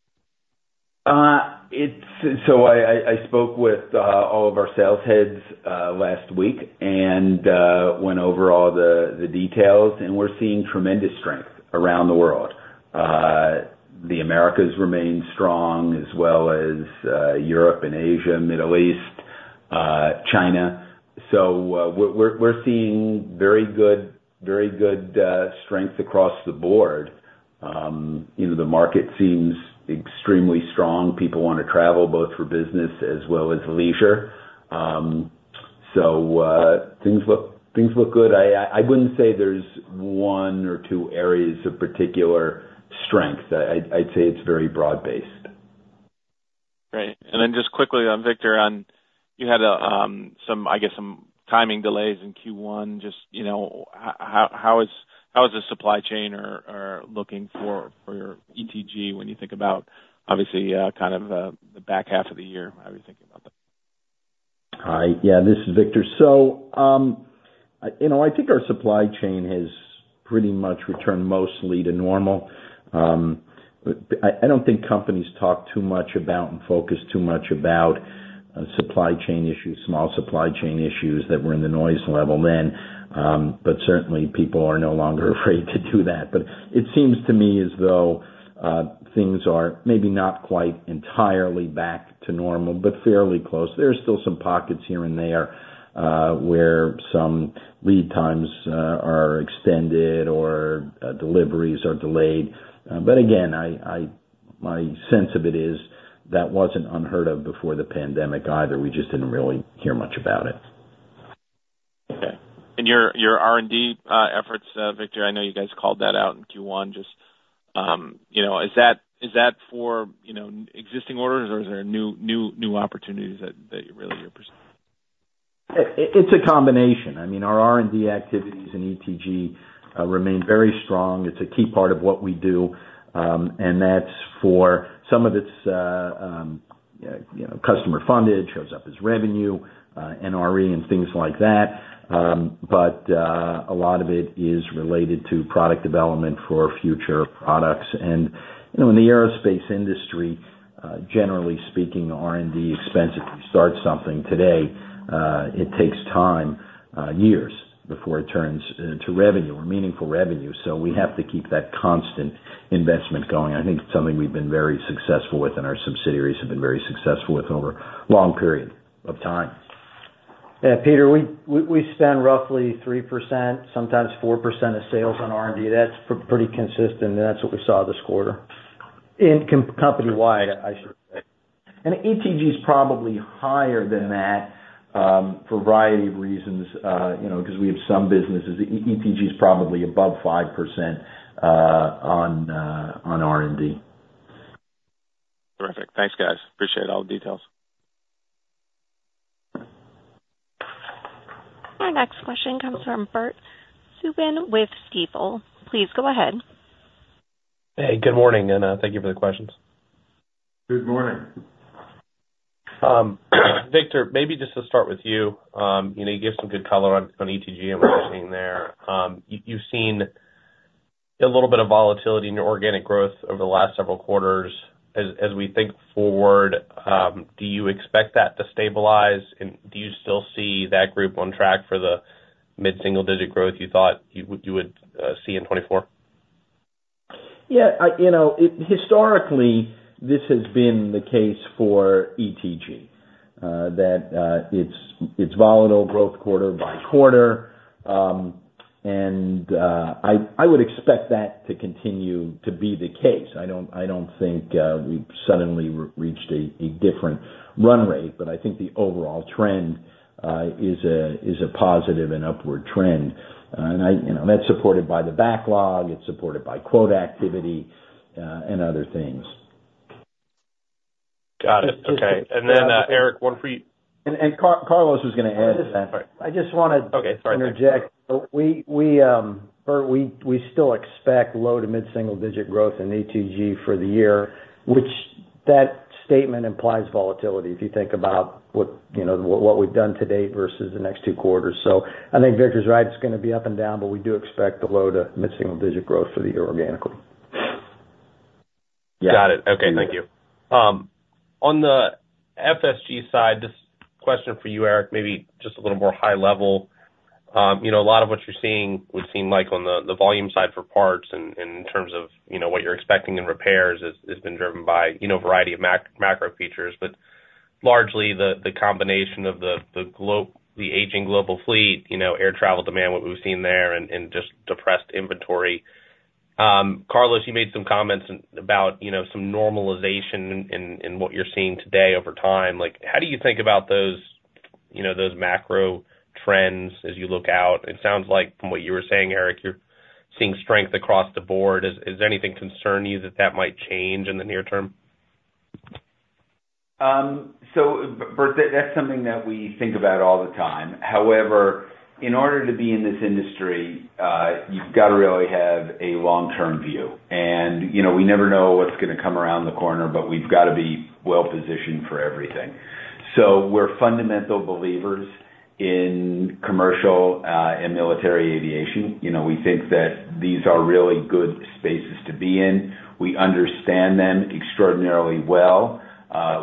So I spoke with all of our sales heads last week and went over all the details, and we're seeing tremendous strength around the world. The Americas remain strong, as well as Europe and Asia, Middle East, China. So we're seeing very good strength across the board. You know, the market seems extremely strong. People wanna travel, both for business as well as leisure. So things look good. I wouldn't say there's one or two areas of particular strength. I'd say it's very broad-based. Great. And then just quickly on Victor, on... You had some, I guess, some timing delays in Q1. Just, you know, how is the supply chain or looking for your ETG when you think about obviously, kind of, the back half of the year? How are you thinking about that? Hi. Yeah, this is Victor. So, you know, I think our supply chain has pretty much returned mostly to normal. I don't think companies talk too much about and focus too much about supply chain issues, small supply chain issues that were in the noise level then. But certainly, people are no longer afraid to do that. But it seems to me as though things are maybe not quite entirely back to normal, but fairly close. There are still some pockets here and there where some lead times are extended or deliveries are delayed. But again, my sense of it is that wasn't unheard of before the pandemic either. We just didn't really hear much about it. Okay. And your R&D efforts, Victor, I know you guys called that out in Q1. Just, you know, is that for, you know, existing orders, or is there new opportunities that you're really pursuing? It's a combination. I mean, our R&D activities in ETG remain very strong. It's a key part of what we do. And that's for some of it's, you know, customer funded, shows up as revenue, NRE and things like that. But a lot of it is related to product development for future products. And, you know, in the aerospace industry, generally speaking, the R&D expense, if you start something today, it takes time, years before it turns to revenue or meaningful revenue. So we have to keep that constant investment going. I think it's something we've been very successful with, and our subsidiaries have been very successful with over a long period of time. Yeah, Peter, we spend roughly 3%, sometimes 4% of sales on R&D. That's pretty consistent, and that's what we saw this quarter. And company-wide, I should say. ETG is probably higher than that, for a variety of reasons, you know, because we have some businesses. ETG is probably above 5%, on R&D. Terrific. Thanks, guys. Appreciate all the details. Our next question comes from Bert Subin with Stifel. Please go ahead. Hey, good morning, and thank you for the questions. Good morning. Victor, maybe just to start with you, you know, you gave some good color on ETG and what you're seeing there. You've seen a little bit of volatility in your organic growth over the last several quarters. As we think forward, do you expect that to stabilize, and do you still see that group on track for the mid-single-digit growth you thought you would see in 2024? Yeah, you know, historically, this has been the case for ETG, that it's volatile growth quarter by quarter. And I would expect that to continue to be the case. I don't think we've suddenly reached a different run rate, but I think the overall trend is a positive and upward trend. And you know, that's supported by the backlog, it's supported by quote activity, and other things. Got it. Okay. And then, Eric, one for you- Carlos was gonna add to that. Sorry. I just wanna- Okay, sorry. Interject. We, Bert, we still expect low- to mid-single-digit growth in ETG for the year, which that statement implies volatility, if you think about what, you know, what we've done to date versus the next two quarters. So I think Victor's right, it's gonna be up and down, but we do expect a low- to mid-single-digit growth for the year organically. Yeah. Got it. Okay, thank you. On the FSG side, this question for you, Eric, maybe just a little more high level. You know, a lot of what you're seeing would seem like on the, the volume side for parts and, and in terms of, you know, what you're expecting in repairs has, has been driven by, you know, a variety of macro features, but largely the, the combination of the, the global, the aging global fleet, you know, air travel demand, what we've seen there, and, and just depressed inventory. Carlos, you made some comments about, you know, some normalization in what you're seeing today over time. Like, how do you think about those, you know, those macro trends as you look out? It sounds like from what you were saying, Eric, you're seeing strength across the board. Is there anything concerning you that might change in the near term? So Bert, that's something that we think about all the time. However, in order to be in this industry, you've gotta really have a long-term view. And, you know, we never know what's gonna come around the corner, but we've gotta be well positioned for everything. So we're fundamental believers in commercial and military aviation. You know, we think that these are really good spaces to be in. We understand them extraordinarily well.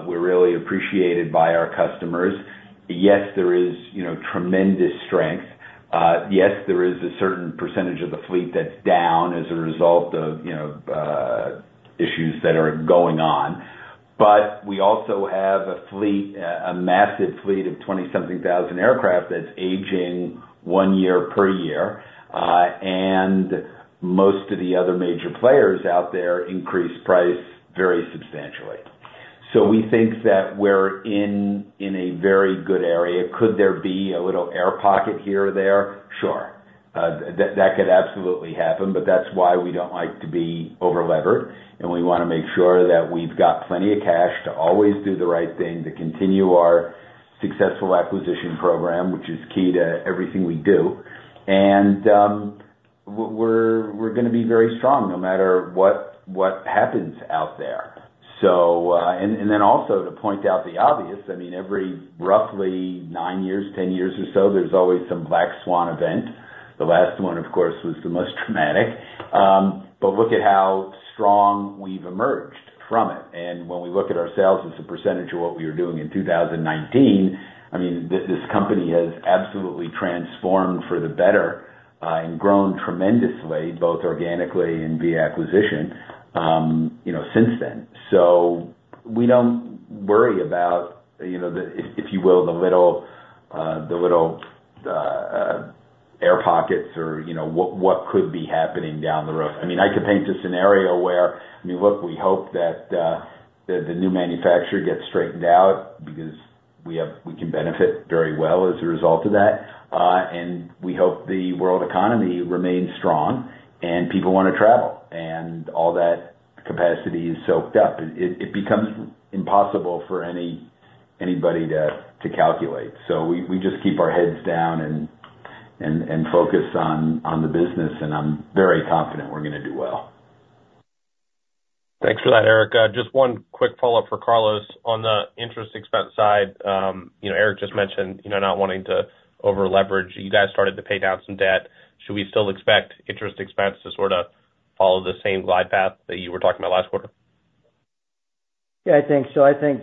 We're really appreciated by our customers. Yes, there is, you know, tremendous strength. Yes, there is a certain percentage of the fleet that's down as a result of, you know, issues that are going on. But we also have a fleet, a massive fleet of 20-something thousand aircraft that's aging one year per year, and most of the other major players out there increase price very substantially. So we think that we're in a very good area. Could there be a little air pocket here or there? Sure. That could absolutely happen, but that's why we don't like to be overlevered, and we wanna make sure that we've got plenty of cash to always do the right thing, to continue our successful acquisition program, which is key to everything we do. And we're gonna be very strong no matter what happens out there. So... and then also to point out the obvious, I mean, every roughly nine years, ten years or so, there's always some black swan event. The last one, of course, was the most dramatic. But look at how strong we've emerged from it. And when we look at ourselves as a percentage of what we were doing in 2019, I mean, this company has absolutely transformed for the better, and grown tremendously, both organically and via acquisition, you know, since then. So we don't worry about, you know, the if, if you will, the little, the little, air pockets or, you know, what could be happening down the road. I mean, I could paint a scenario where, I mean, look, we hope that, the new manufacturer gets straightened out because we have we can benefit very well as a result of that. And we hope the world economy remains strong, and people wanna travel, and all that capacity is soaked up. It becomes impossible for anybody to calculate. So we just keep our heads down and focus on the business, and I'm very confident we're gonna do well. Thanks for that, Eric. Just one quick follow-up for Carlos. On the interest expense side, you know, Eric just mentioned, you know, not wanting to overleverage. You guys started to pay down some debt. Should we still expect interest expense to sort of follow the same glide path that you were talking about last quarter? Yeah, I think so. I think,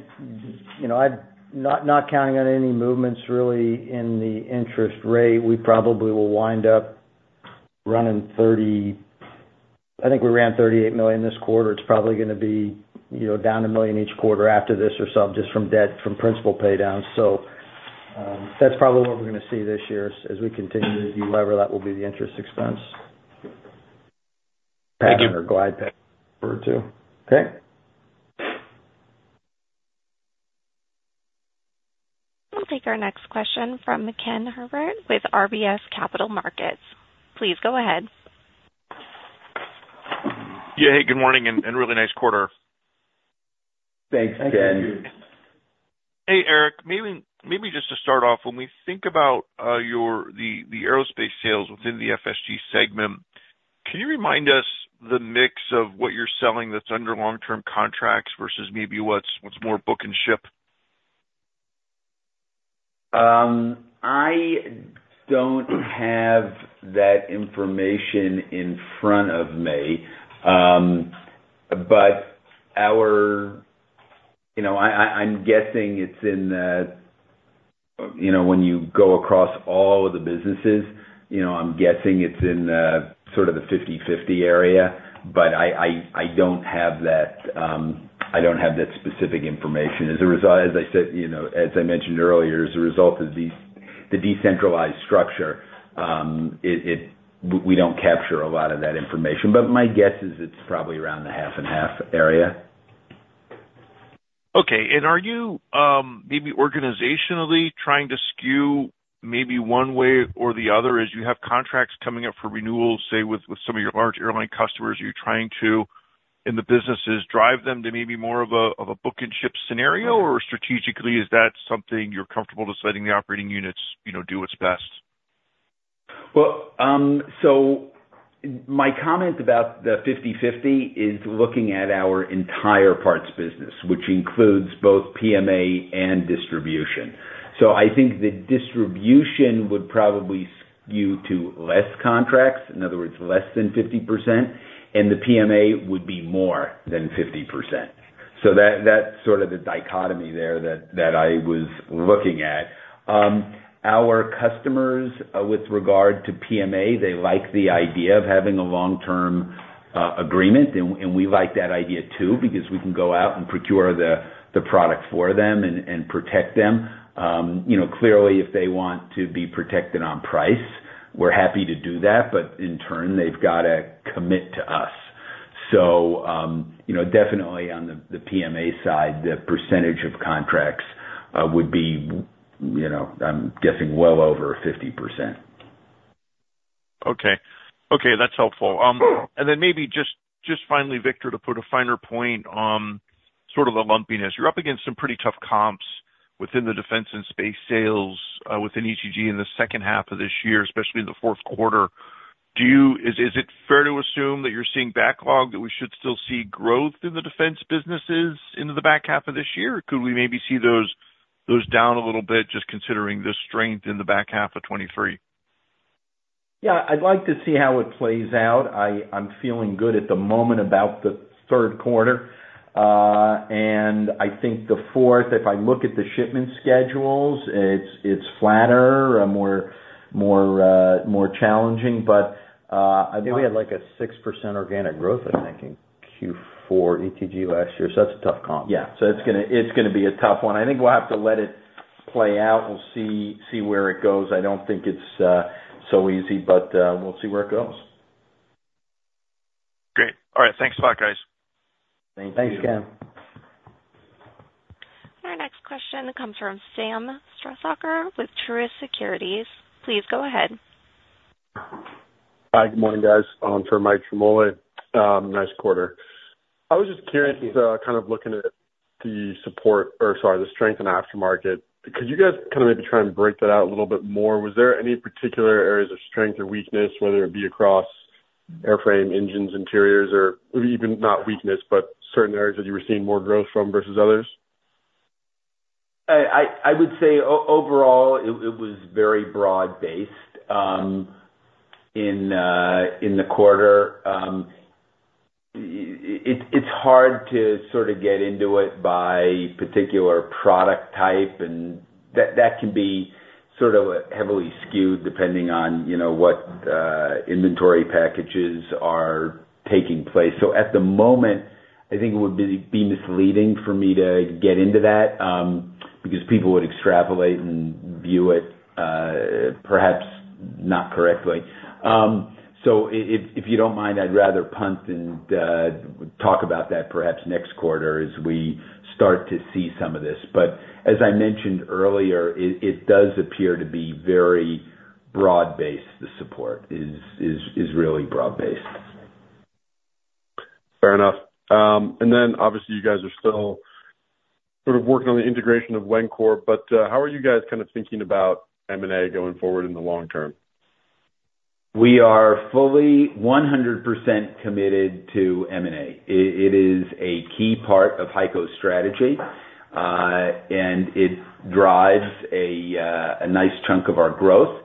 you know, I'm not, not counting on any movements really in the interest rate. We probably will wind up running $30 million. I think we ran $38 million this quarter. It's probably gonna be, you know, down $1 million each quarter after this or so, just from debt, from principal pay down. So, that's probably what we're gonna see this year. As we continue to delever, that will be the interest expense- Thank you. Glide path, refer to. Okay. We'll take our next question from Ken Herbert with RBC Capital Markets. Please go ahead. Yeah, hey, good morning, and really nice quarter. Thanks, Ken. Thank you. Hey, Eric, maybe, maybe just to start off, when we think about, your, the aerospace sales within the FSG segment, can you remind us the mix of what you're selling that's under long-term contracts versus maybe what's more book and ship? I don't have that information in front of me. But our... You know, I'm guessing it's in the, you know, when you go across all of the businesses, you know, I'm guessing it's in the sort of 50/50 area, but I don't have that, I don't have that specific information. As a result, as I said, you know, as I mentioned earlier, as a result of these, the decentralized structure, it, it... We don't capture a lot of that information, but my guess is it's probably around the 50/50 area. Okay. Are you maybe organizationally trying to skew maybe one way or the other as you have contracts coming up for renewals, say, with some of your large airline customers? Are you trying to, in the businesses, drive them to maybe more of a book and ship scenario? Or strategically, is that something you're comfortable just letting the operating units, you know, do what's best? Well, so my comment about the 50/50 is looking at our entire parts business, which includes both PMA and distribution. So I think the distribution would probably skew to less contracts, in other words, less than 50%, and the PMA would be more than 50%. So that, that's sort of the dichotomy there that I was looking at. Our customers, with regard to PMA, they like the idea of having a long-term agreement, and we like that idea too, because we can go out and procure the product for them and protect them. You know, clearly, if they want to be protected on price, we're happy to do that, but in turn, they've got to commit to us. So, you know, definitely on the PMA side, the percentage of contracts would be, you know, I'm guessing well over 50%. Okay. Okay, that's helpful. And then maybe just finally, Victor, to put a finer point on sort of the lumpiness. You're up against some pretty tough comps within the defense and space sales within ETG in the second half of this year, especially in the fourth quarter. Is it fair to assume that you're seeing backlog, that we should still see growth in the defense businesses into the back half of this year? Or could we maybe see those down a little bit, just considering the strength in the back half of 2023? Yeah, I'd like to see how it plays out. I'm feeling good at the moment about the third quarter. And I think the fourth, if I look at the shipment schedules, it's flatter, more challenging. But, I think we had, like, a 6% organic growth, I think, in Q4 ETG last year, so that's a tough comp. Yeah. So it's gonna, it's gonna be a tough one. I think we'll have to let it play out. We'll see, see where it goes. I don't think it's so easy, but we'll see where it goes. Great. All right, thanks a lot, guys. Thank you. Thanks again. Our next question comes from Sam Strassacker with Truist Securities. Please go ahead. Hi, good morning, guys. For Michael Ciarmoli, nice quarter. I was just curious, kind of looking at the support or sorry, the strength in aftermarket. Could you guys kind of maybe try and break that out a little bit more? Was there any particular areas of strength or weakness, whether it be across airframe, engines, interiors, or maybe even not weakness, but certain areas that you were seeing more growth from versus others? I would say overall, it was very broad-based in the quarter. It's hard to sort of get into it by particular product type, and that can be sort of heavily skewed, depending on, you know, what inventory packages are taking place. So at the moment, I think it would be misleading for me to get into that, because people would extrapolate and view it perhaps not correctly. So if you don't mind, I'd rather punt and talk about that perhaps next quarter as we start to see some of this. But as I mentioned earlier, it does appear to be very broad-based, the support is really broad-based. Fair enough. And then obviously, you guys are still sort of working on the integration of Wencor, but how are you guys kind of thinking about M&A going forward in the long term? We are fully 100% committed to M&A. It is a key part of HEICO's strategy, and it drives a nice chunk of our growth.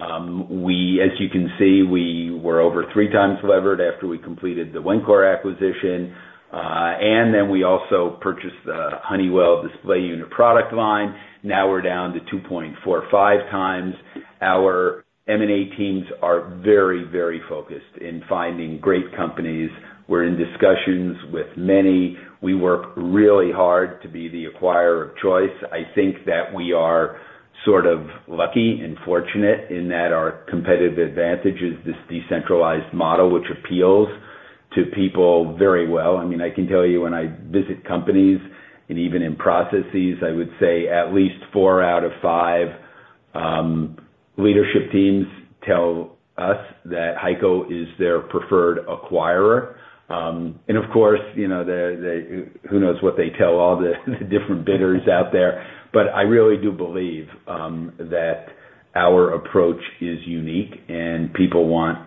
As you can see, we were over 3 times levered after we completed the Wencor acquisition, and then we also purchased the Honeywell display unit product line. Now we're down to 2.45 times. Our M&A teams are very, very focused in finding great companies. We're in discussions with many. We work really hard to be the acquirer of choice. I think that we are sort of lucky and fortunate in that our competitive advantage is this decentralized model, which appeals to people very well. I mean, I can tell you when I visit companies, and even in processes, I would say at least four out of five leadership teams tell us that HEICO is their preferred acquirer. And of course, you know, who knows what they tell all the different bidders out there. But I really do believe that our approach is unique, and people want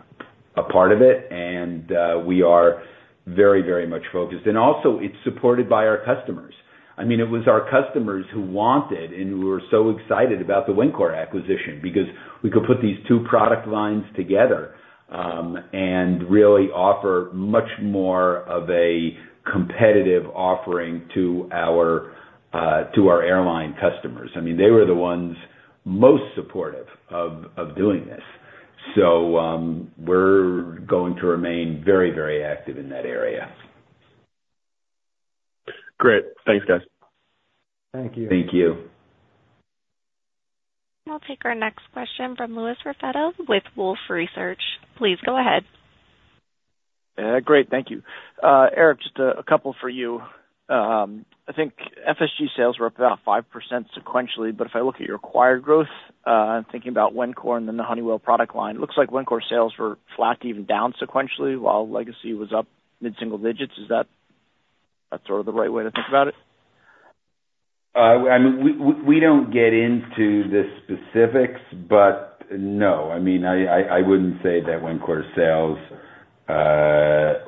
a part of it, and we are very, very much focused. And also, it's supported by our customers. I mean, it was our customers who wanted and who were so excited about the Wencor acquisition, because we could put these two product lines together and really offer much more of a competitive offering to our airline customers. I mean, they were the ones most supportive of doing this. So, we're going to remain very, very active in that area. Great. Thanks, guys. Thank you. Thank you. We'll take our next question from Louis Raffetto with Wolfe Research. Please go ahead. Great, thank you. Eric, just a couple for you. I think FSG sales were up about 5% sequentially, but if I look at your acquired growth, I'm thinking about Wencor and then the Honeywell product line. It looks like Wencor sales were flat, even down sequentially, while legacy was up mid-single digits. Is that, that sort of the right way to think about it? I mean, we don't get into the specifics, but no, I mean, I wouldn't say that Wencor sales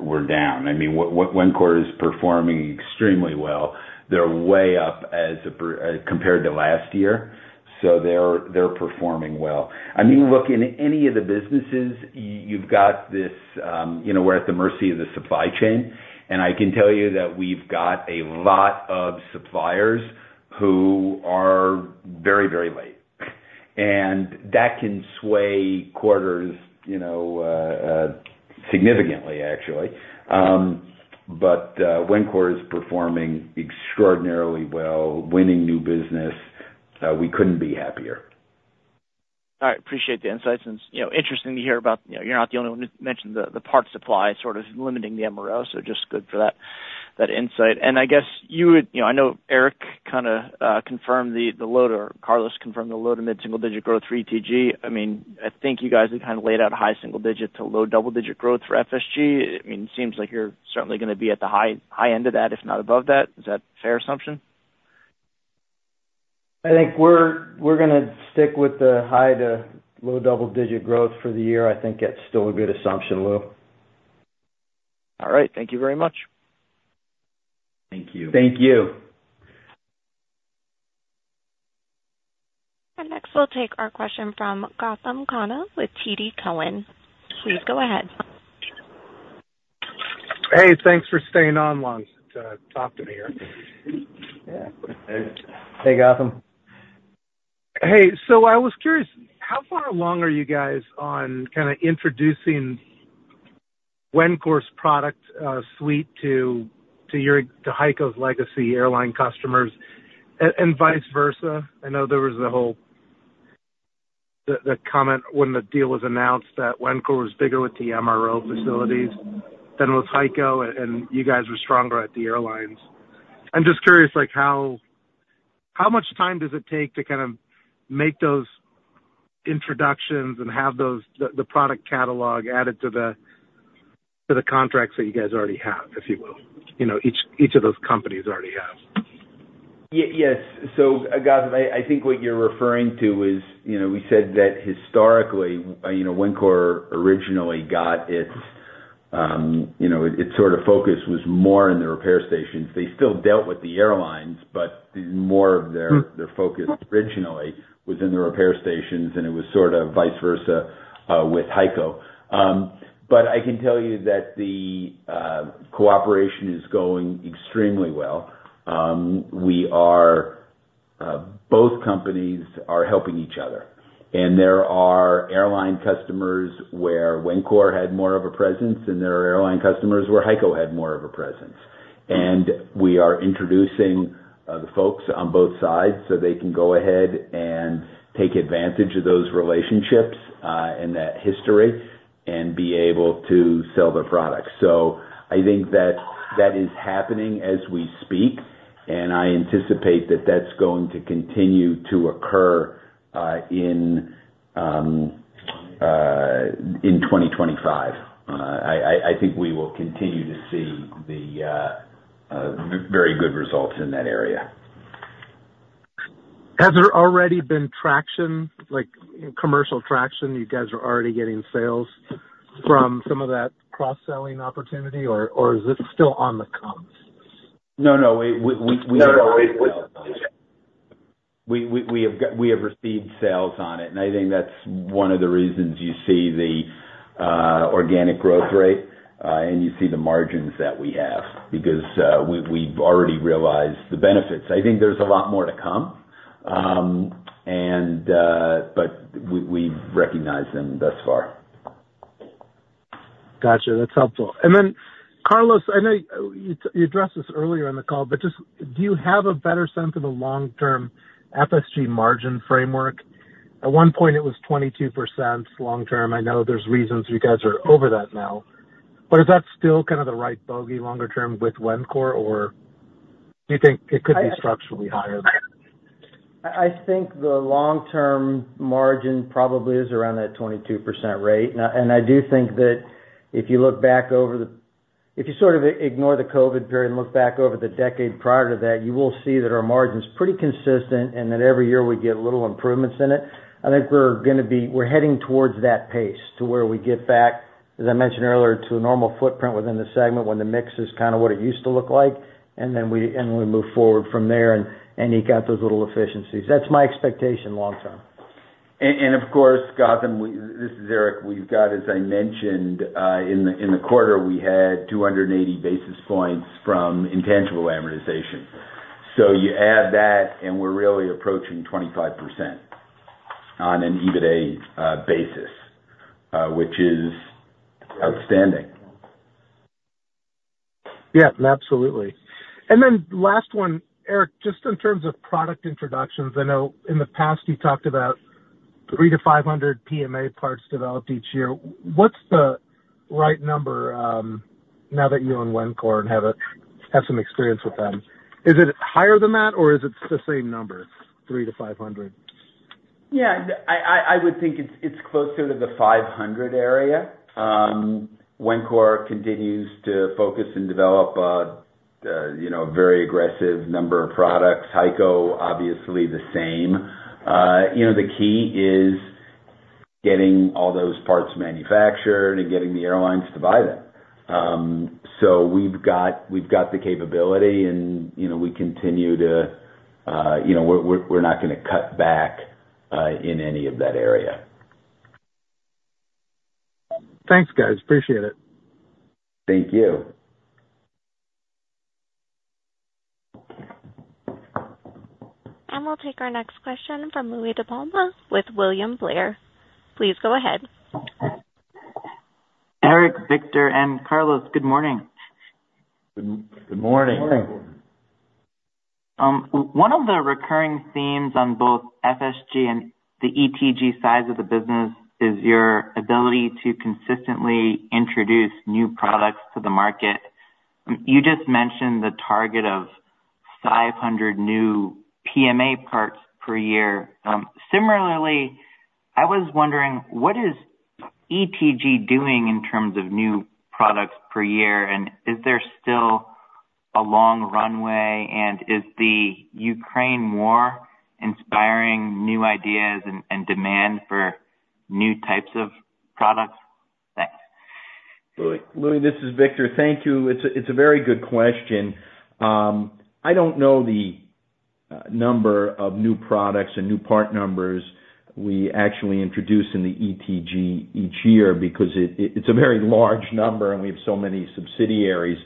were down. I mean, Wencor is performing extremely well. They're way up as compared to last year, so they're performing well. I mean, look, in any of the businesses, you've got this... you know, we're at the mercy of the supply chain, and I can tell you that we've got a lot of suppliers who are very, very late. And that can sway quarters, you know, significantly, actually. But, Wencor is performing extraordinarily well, winning new business. We couldn't be happier. All right. Appreciate the insights, and, you know, interesting to hear about, you know, you're not the only one who mentioned the, the part supply sort of limiting the MRO. So just good for that, that insight. And I guess you would—you know, I know Eric kind of confirmed the, the lower, Carlos confirmed the low to mid-single-digit growth for ETG. I mean, I think you guys have kind of laid out high single digit to low double digit growth for FSG. I mean, it seems like you're certainly gonna be at the high, high end of that, if not above that. Is that a fair assumption? I think we're gonna stick with the high to low double digit growth for the year. I think that's still a good assumption, Lou. All right. Thank you very much. Thank you. Thank you. Next, we'll take our question from Gautam Khanna with TD Cowen. Please go ahead. Hey, thanks for staying on line to talk to me, Eric. Yeah. Hey, Gautam. Hey, so I was curious, how far along are you guys on kind of introducing Wencor's product suite to your to HEICO's legacy airline customers, and vice versa? I know there was a whole the comment when the deal was announced, that Wencor was bigger with the MRO facilities than with HEICO, and you guys were stronger at the airlines. I'm just curious, like, how much time does it take to kind of make those introductions and have the product catalog added to the contracts that you guys already have, if you will? You know, each of those companies already have. Yes. So Gautam, I think what you're referring to is, you know, we said that historically, you know, Wencor originally got its, you know, its sort of focus was more in the repair stations. They still dealt with the airlines, but more of their- Mm. Their focus originally was in the repair stations, and it was sort of vice versa with HEICO. But I can tell you that the cooperation is going extremely well. We are... Both companies are helping each other, and there are airline customers where Wencor had more of a presence, and there are airline customers where HEICO had more of a presence. And we are introducing the folks on both sides, so they can go ahead and take advantage of those relationships and that history and be able to sell the product. So I think that that is happening as we speak, and I anticipate that that's going to continue to occur in 2025. I think we will continue to see the very good results in that area. Has there already been traction, like commercial traction? You guys are already getting sales from some of that cross-selling opportunity, or is this still on the comms? No, we— No, no, we, we- We have received sales on it, and I think that's one of the reasons you see the organic growth rate, and you see the margins that we have, because we've already realized the benefits. I think there's a lot more to come, and but we've recognized them thus far. Gotcha. That's helpful. And then, Carlos, I know you, you addressed this earlier in the call, but just do you have a better sense of the long-term FSG margin framework? At one point, it was 22% long term. I know there's reasons you guys are over that now, but is that still kind of the right bogey longer term with Wencor, or do you think it could be structurally higher than that? I think the long-term margin probably is around that 22% rate. And I do think that if you look back over the, if you sort of ignore the COVID period and look back over the decade prior to that, you will see that our margin's pretty consistent and that every year we get little improvements in it. I think we're gonna be, we're heading towards that pace, to where we get back, as I mentioned earlier, to a normal footprint within the segment when the mix is kind of what it used to look like, and then we move forward from there, and you got those little efficiencies. That's my expectation long term. Of course, Gautam, we... This is Eric. We've got, as I mentioned, in the quarter, we had 280 basis points from intangible amortization. So you add that, and we're really approaching 25% on an EBITDA basis, which is outstanding. Yeah, absolutely. And then last one, Eric, just in terms of product introductions, I know in the past, you talked about 300-500 PMA parts developed each year. What's the right number, now that you own Wencor and have some experience with them? Is it higher than that, or is it the same number, 300-500? Yeah, I would think it's closer to the 500 area. Wencor continues to focus and develop, you know, a very aggressive number of products. HEICO, obviously the same. You know, the key is getting all those parts manufactured and getting the airlines to buy them. So we've got, we've got the capability and, you know, we continue to, you know, we're not gonna cut back in any of that area. Thanks, guys. Appreciate it. Thank you. We'll take our next question from Louie DiPalma with William Blair. Please go ahead. Eric, Victor, and Carlos, good morning. Good morning. Good morning. One of the recurring themes on both FSG and the ETG sides of the business is your ability to consistently introduce new products to the market. You just mentioned the target of 500 new PMA parts per year. Similarly, I was wondering, what is ETG doing in terms of new products per year? And is there still a long runway, and is the Ukraine war inspiring new ideas and demand for new types of products? Thanks. Louie, Louie, this is Victor. Thank you. It's a, it's a very good question. I don't know the number of new products and new part numbers we actually introduce in the ETG each year because it, it's a very large number, and we have so many subsidiaries.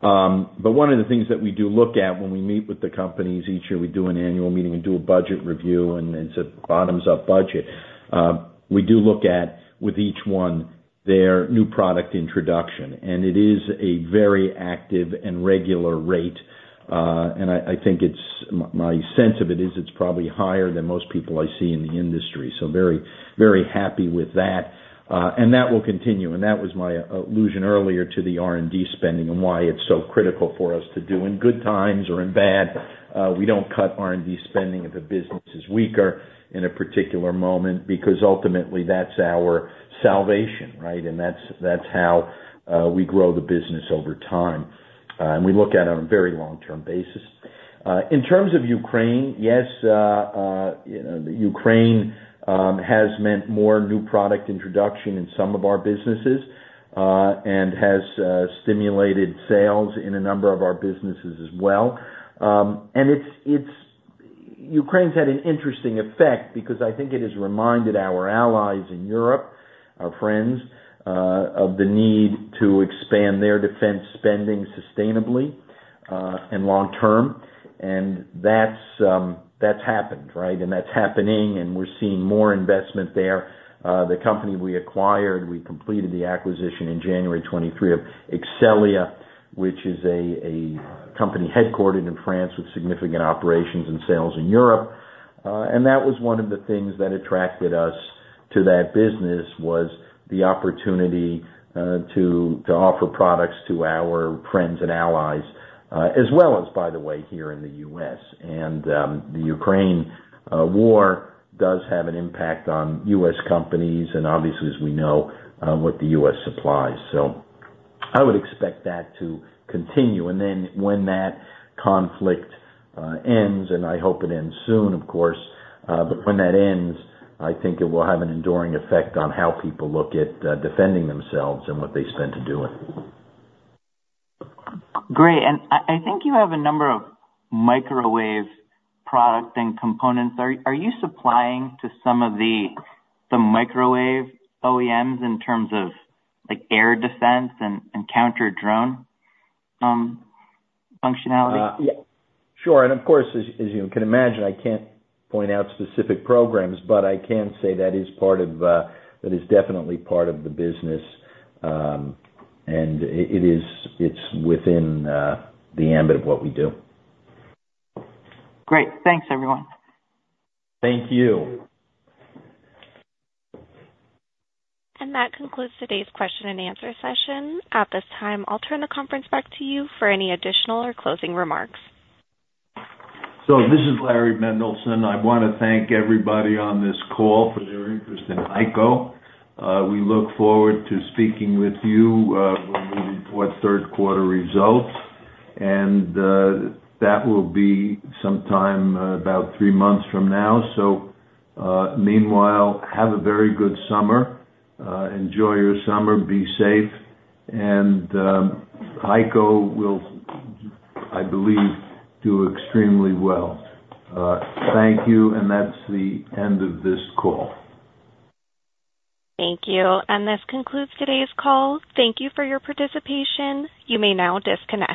But one of the things that we do look at when we meet with the companies, each year we do an annual meeting, we do a budget review, and it's a bottoms-up budget. We do look at, with each one, their new product introduction, and it is a very active and regular rate. And I, I think it's my sense of it is it's probably higher than most people I see in the industry, so very, very happy with that, and that will continue. That was my allusion earlier to the R&D spending and why it's so critical for us to do in good times or in bad. We don't cut R&D spending if a business is weaker in a particular moment, because ultimately, that's our salvation, right? And that's how we grow the business over time, and we look at it on a very long-term basis. In terms of Ukraine, yes, you know, the Ukraine has meant more new product introduction in some of our businesses, and has stimulated sales in a number of our businesses as well. And it's Ukraine's had an interesting effect because I think it has reminded our allies in Europe, our friends, of the need to expand their defense spending sustainably, and long term. And that's happened, right? And that's happening, and we're seeing more investment there. The company we acquired, we completed the acquisition in January 2023 of Exxelia, which is a company headquartered in France with significant operations and sales in Europe. And that was one of the things that attracted us to that business, was the opportunity to offer products to our friends and allies, as well as, by the way, here in the US. And the Ukraine war does have an impact on US companies and obviously, as we know, what the US supplies. So I would expect that to continue. And then when that conflict ends, and I hope it ends soon, of course, but when that ends, I think it will have an enduring effect on how people look at defending themselves and what they spend to do it. Great. I think you have a number of microwave product and components. Are you supplying to some of the microwave OEMs in terms of, like, air defense and counter-drone functionality? Yeah, sure. And of course, as, as you can imagine, I can't point out specific programs, but I can say that is part of, that is definitely part of the business. And it, it is, it's within, the ambit of what we do. Great. Thanks, everyone. Thank you. That concludes today's question and answer session. At this time, I'll turn the conference back to you for any additional or closing remarks. This is Larry Mendelson. I want to thank everybody on this call for their interest in HEICO. We look forward to speaking with you when we report third quarter results, and that will be sometime about three months from now. Meanwhile, have a very good summer. Enjoy your summer, be safe, and HEICO will, I believe, do extremely well. Thank you, and that's the end of this call. Thank you, and this concludes today's call. Thank you for your participation. You may now disconnect.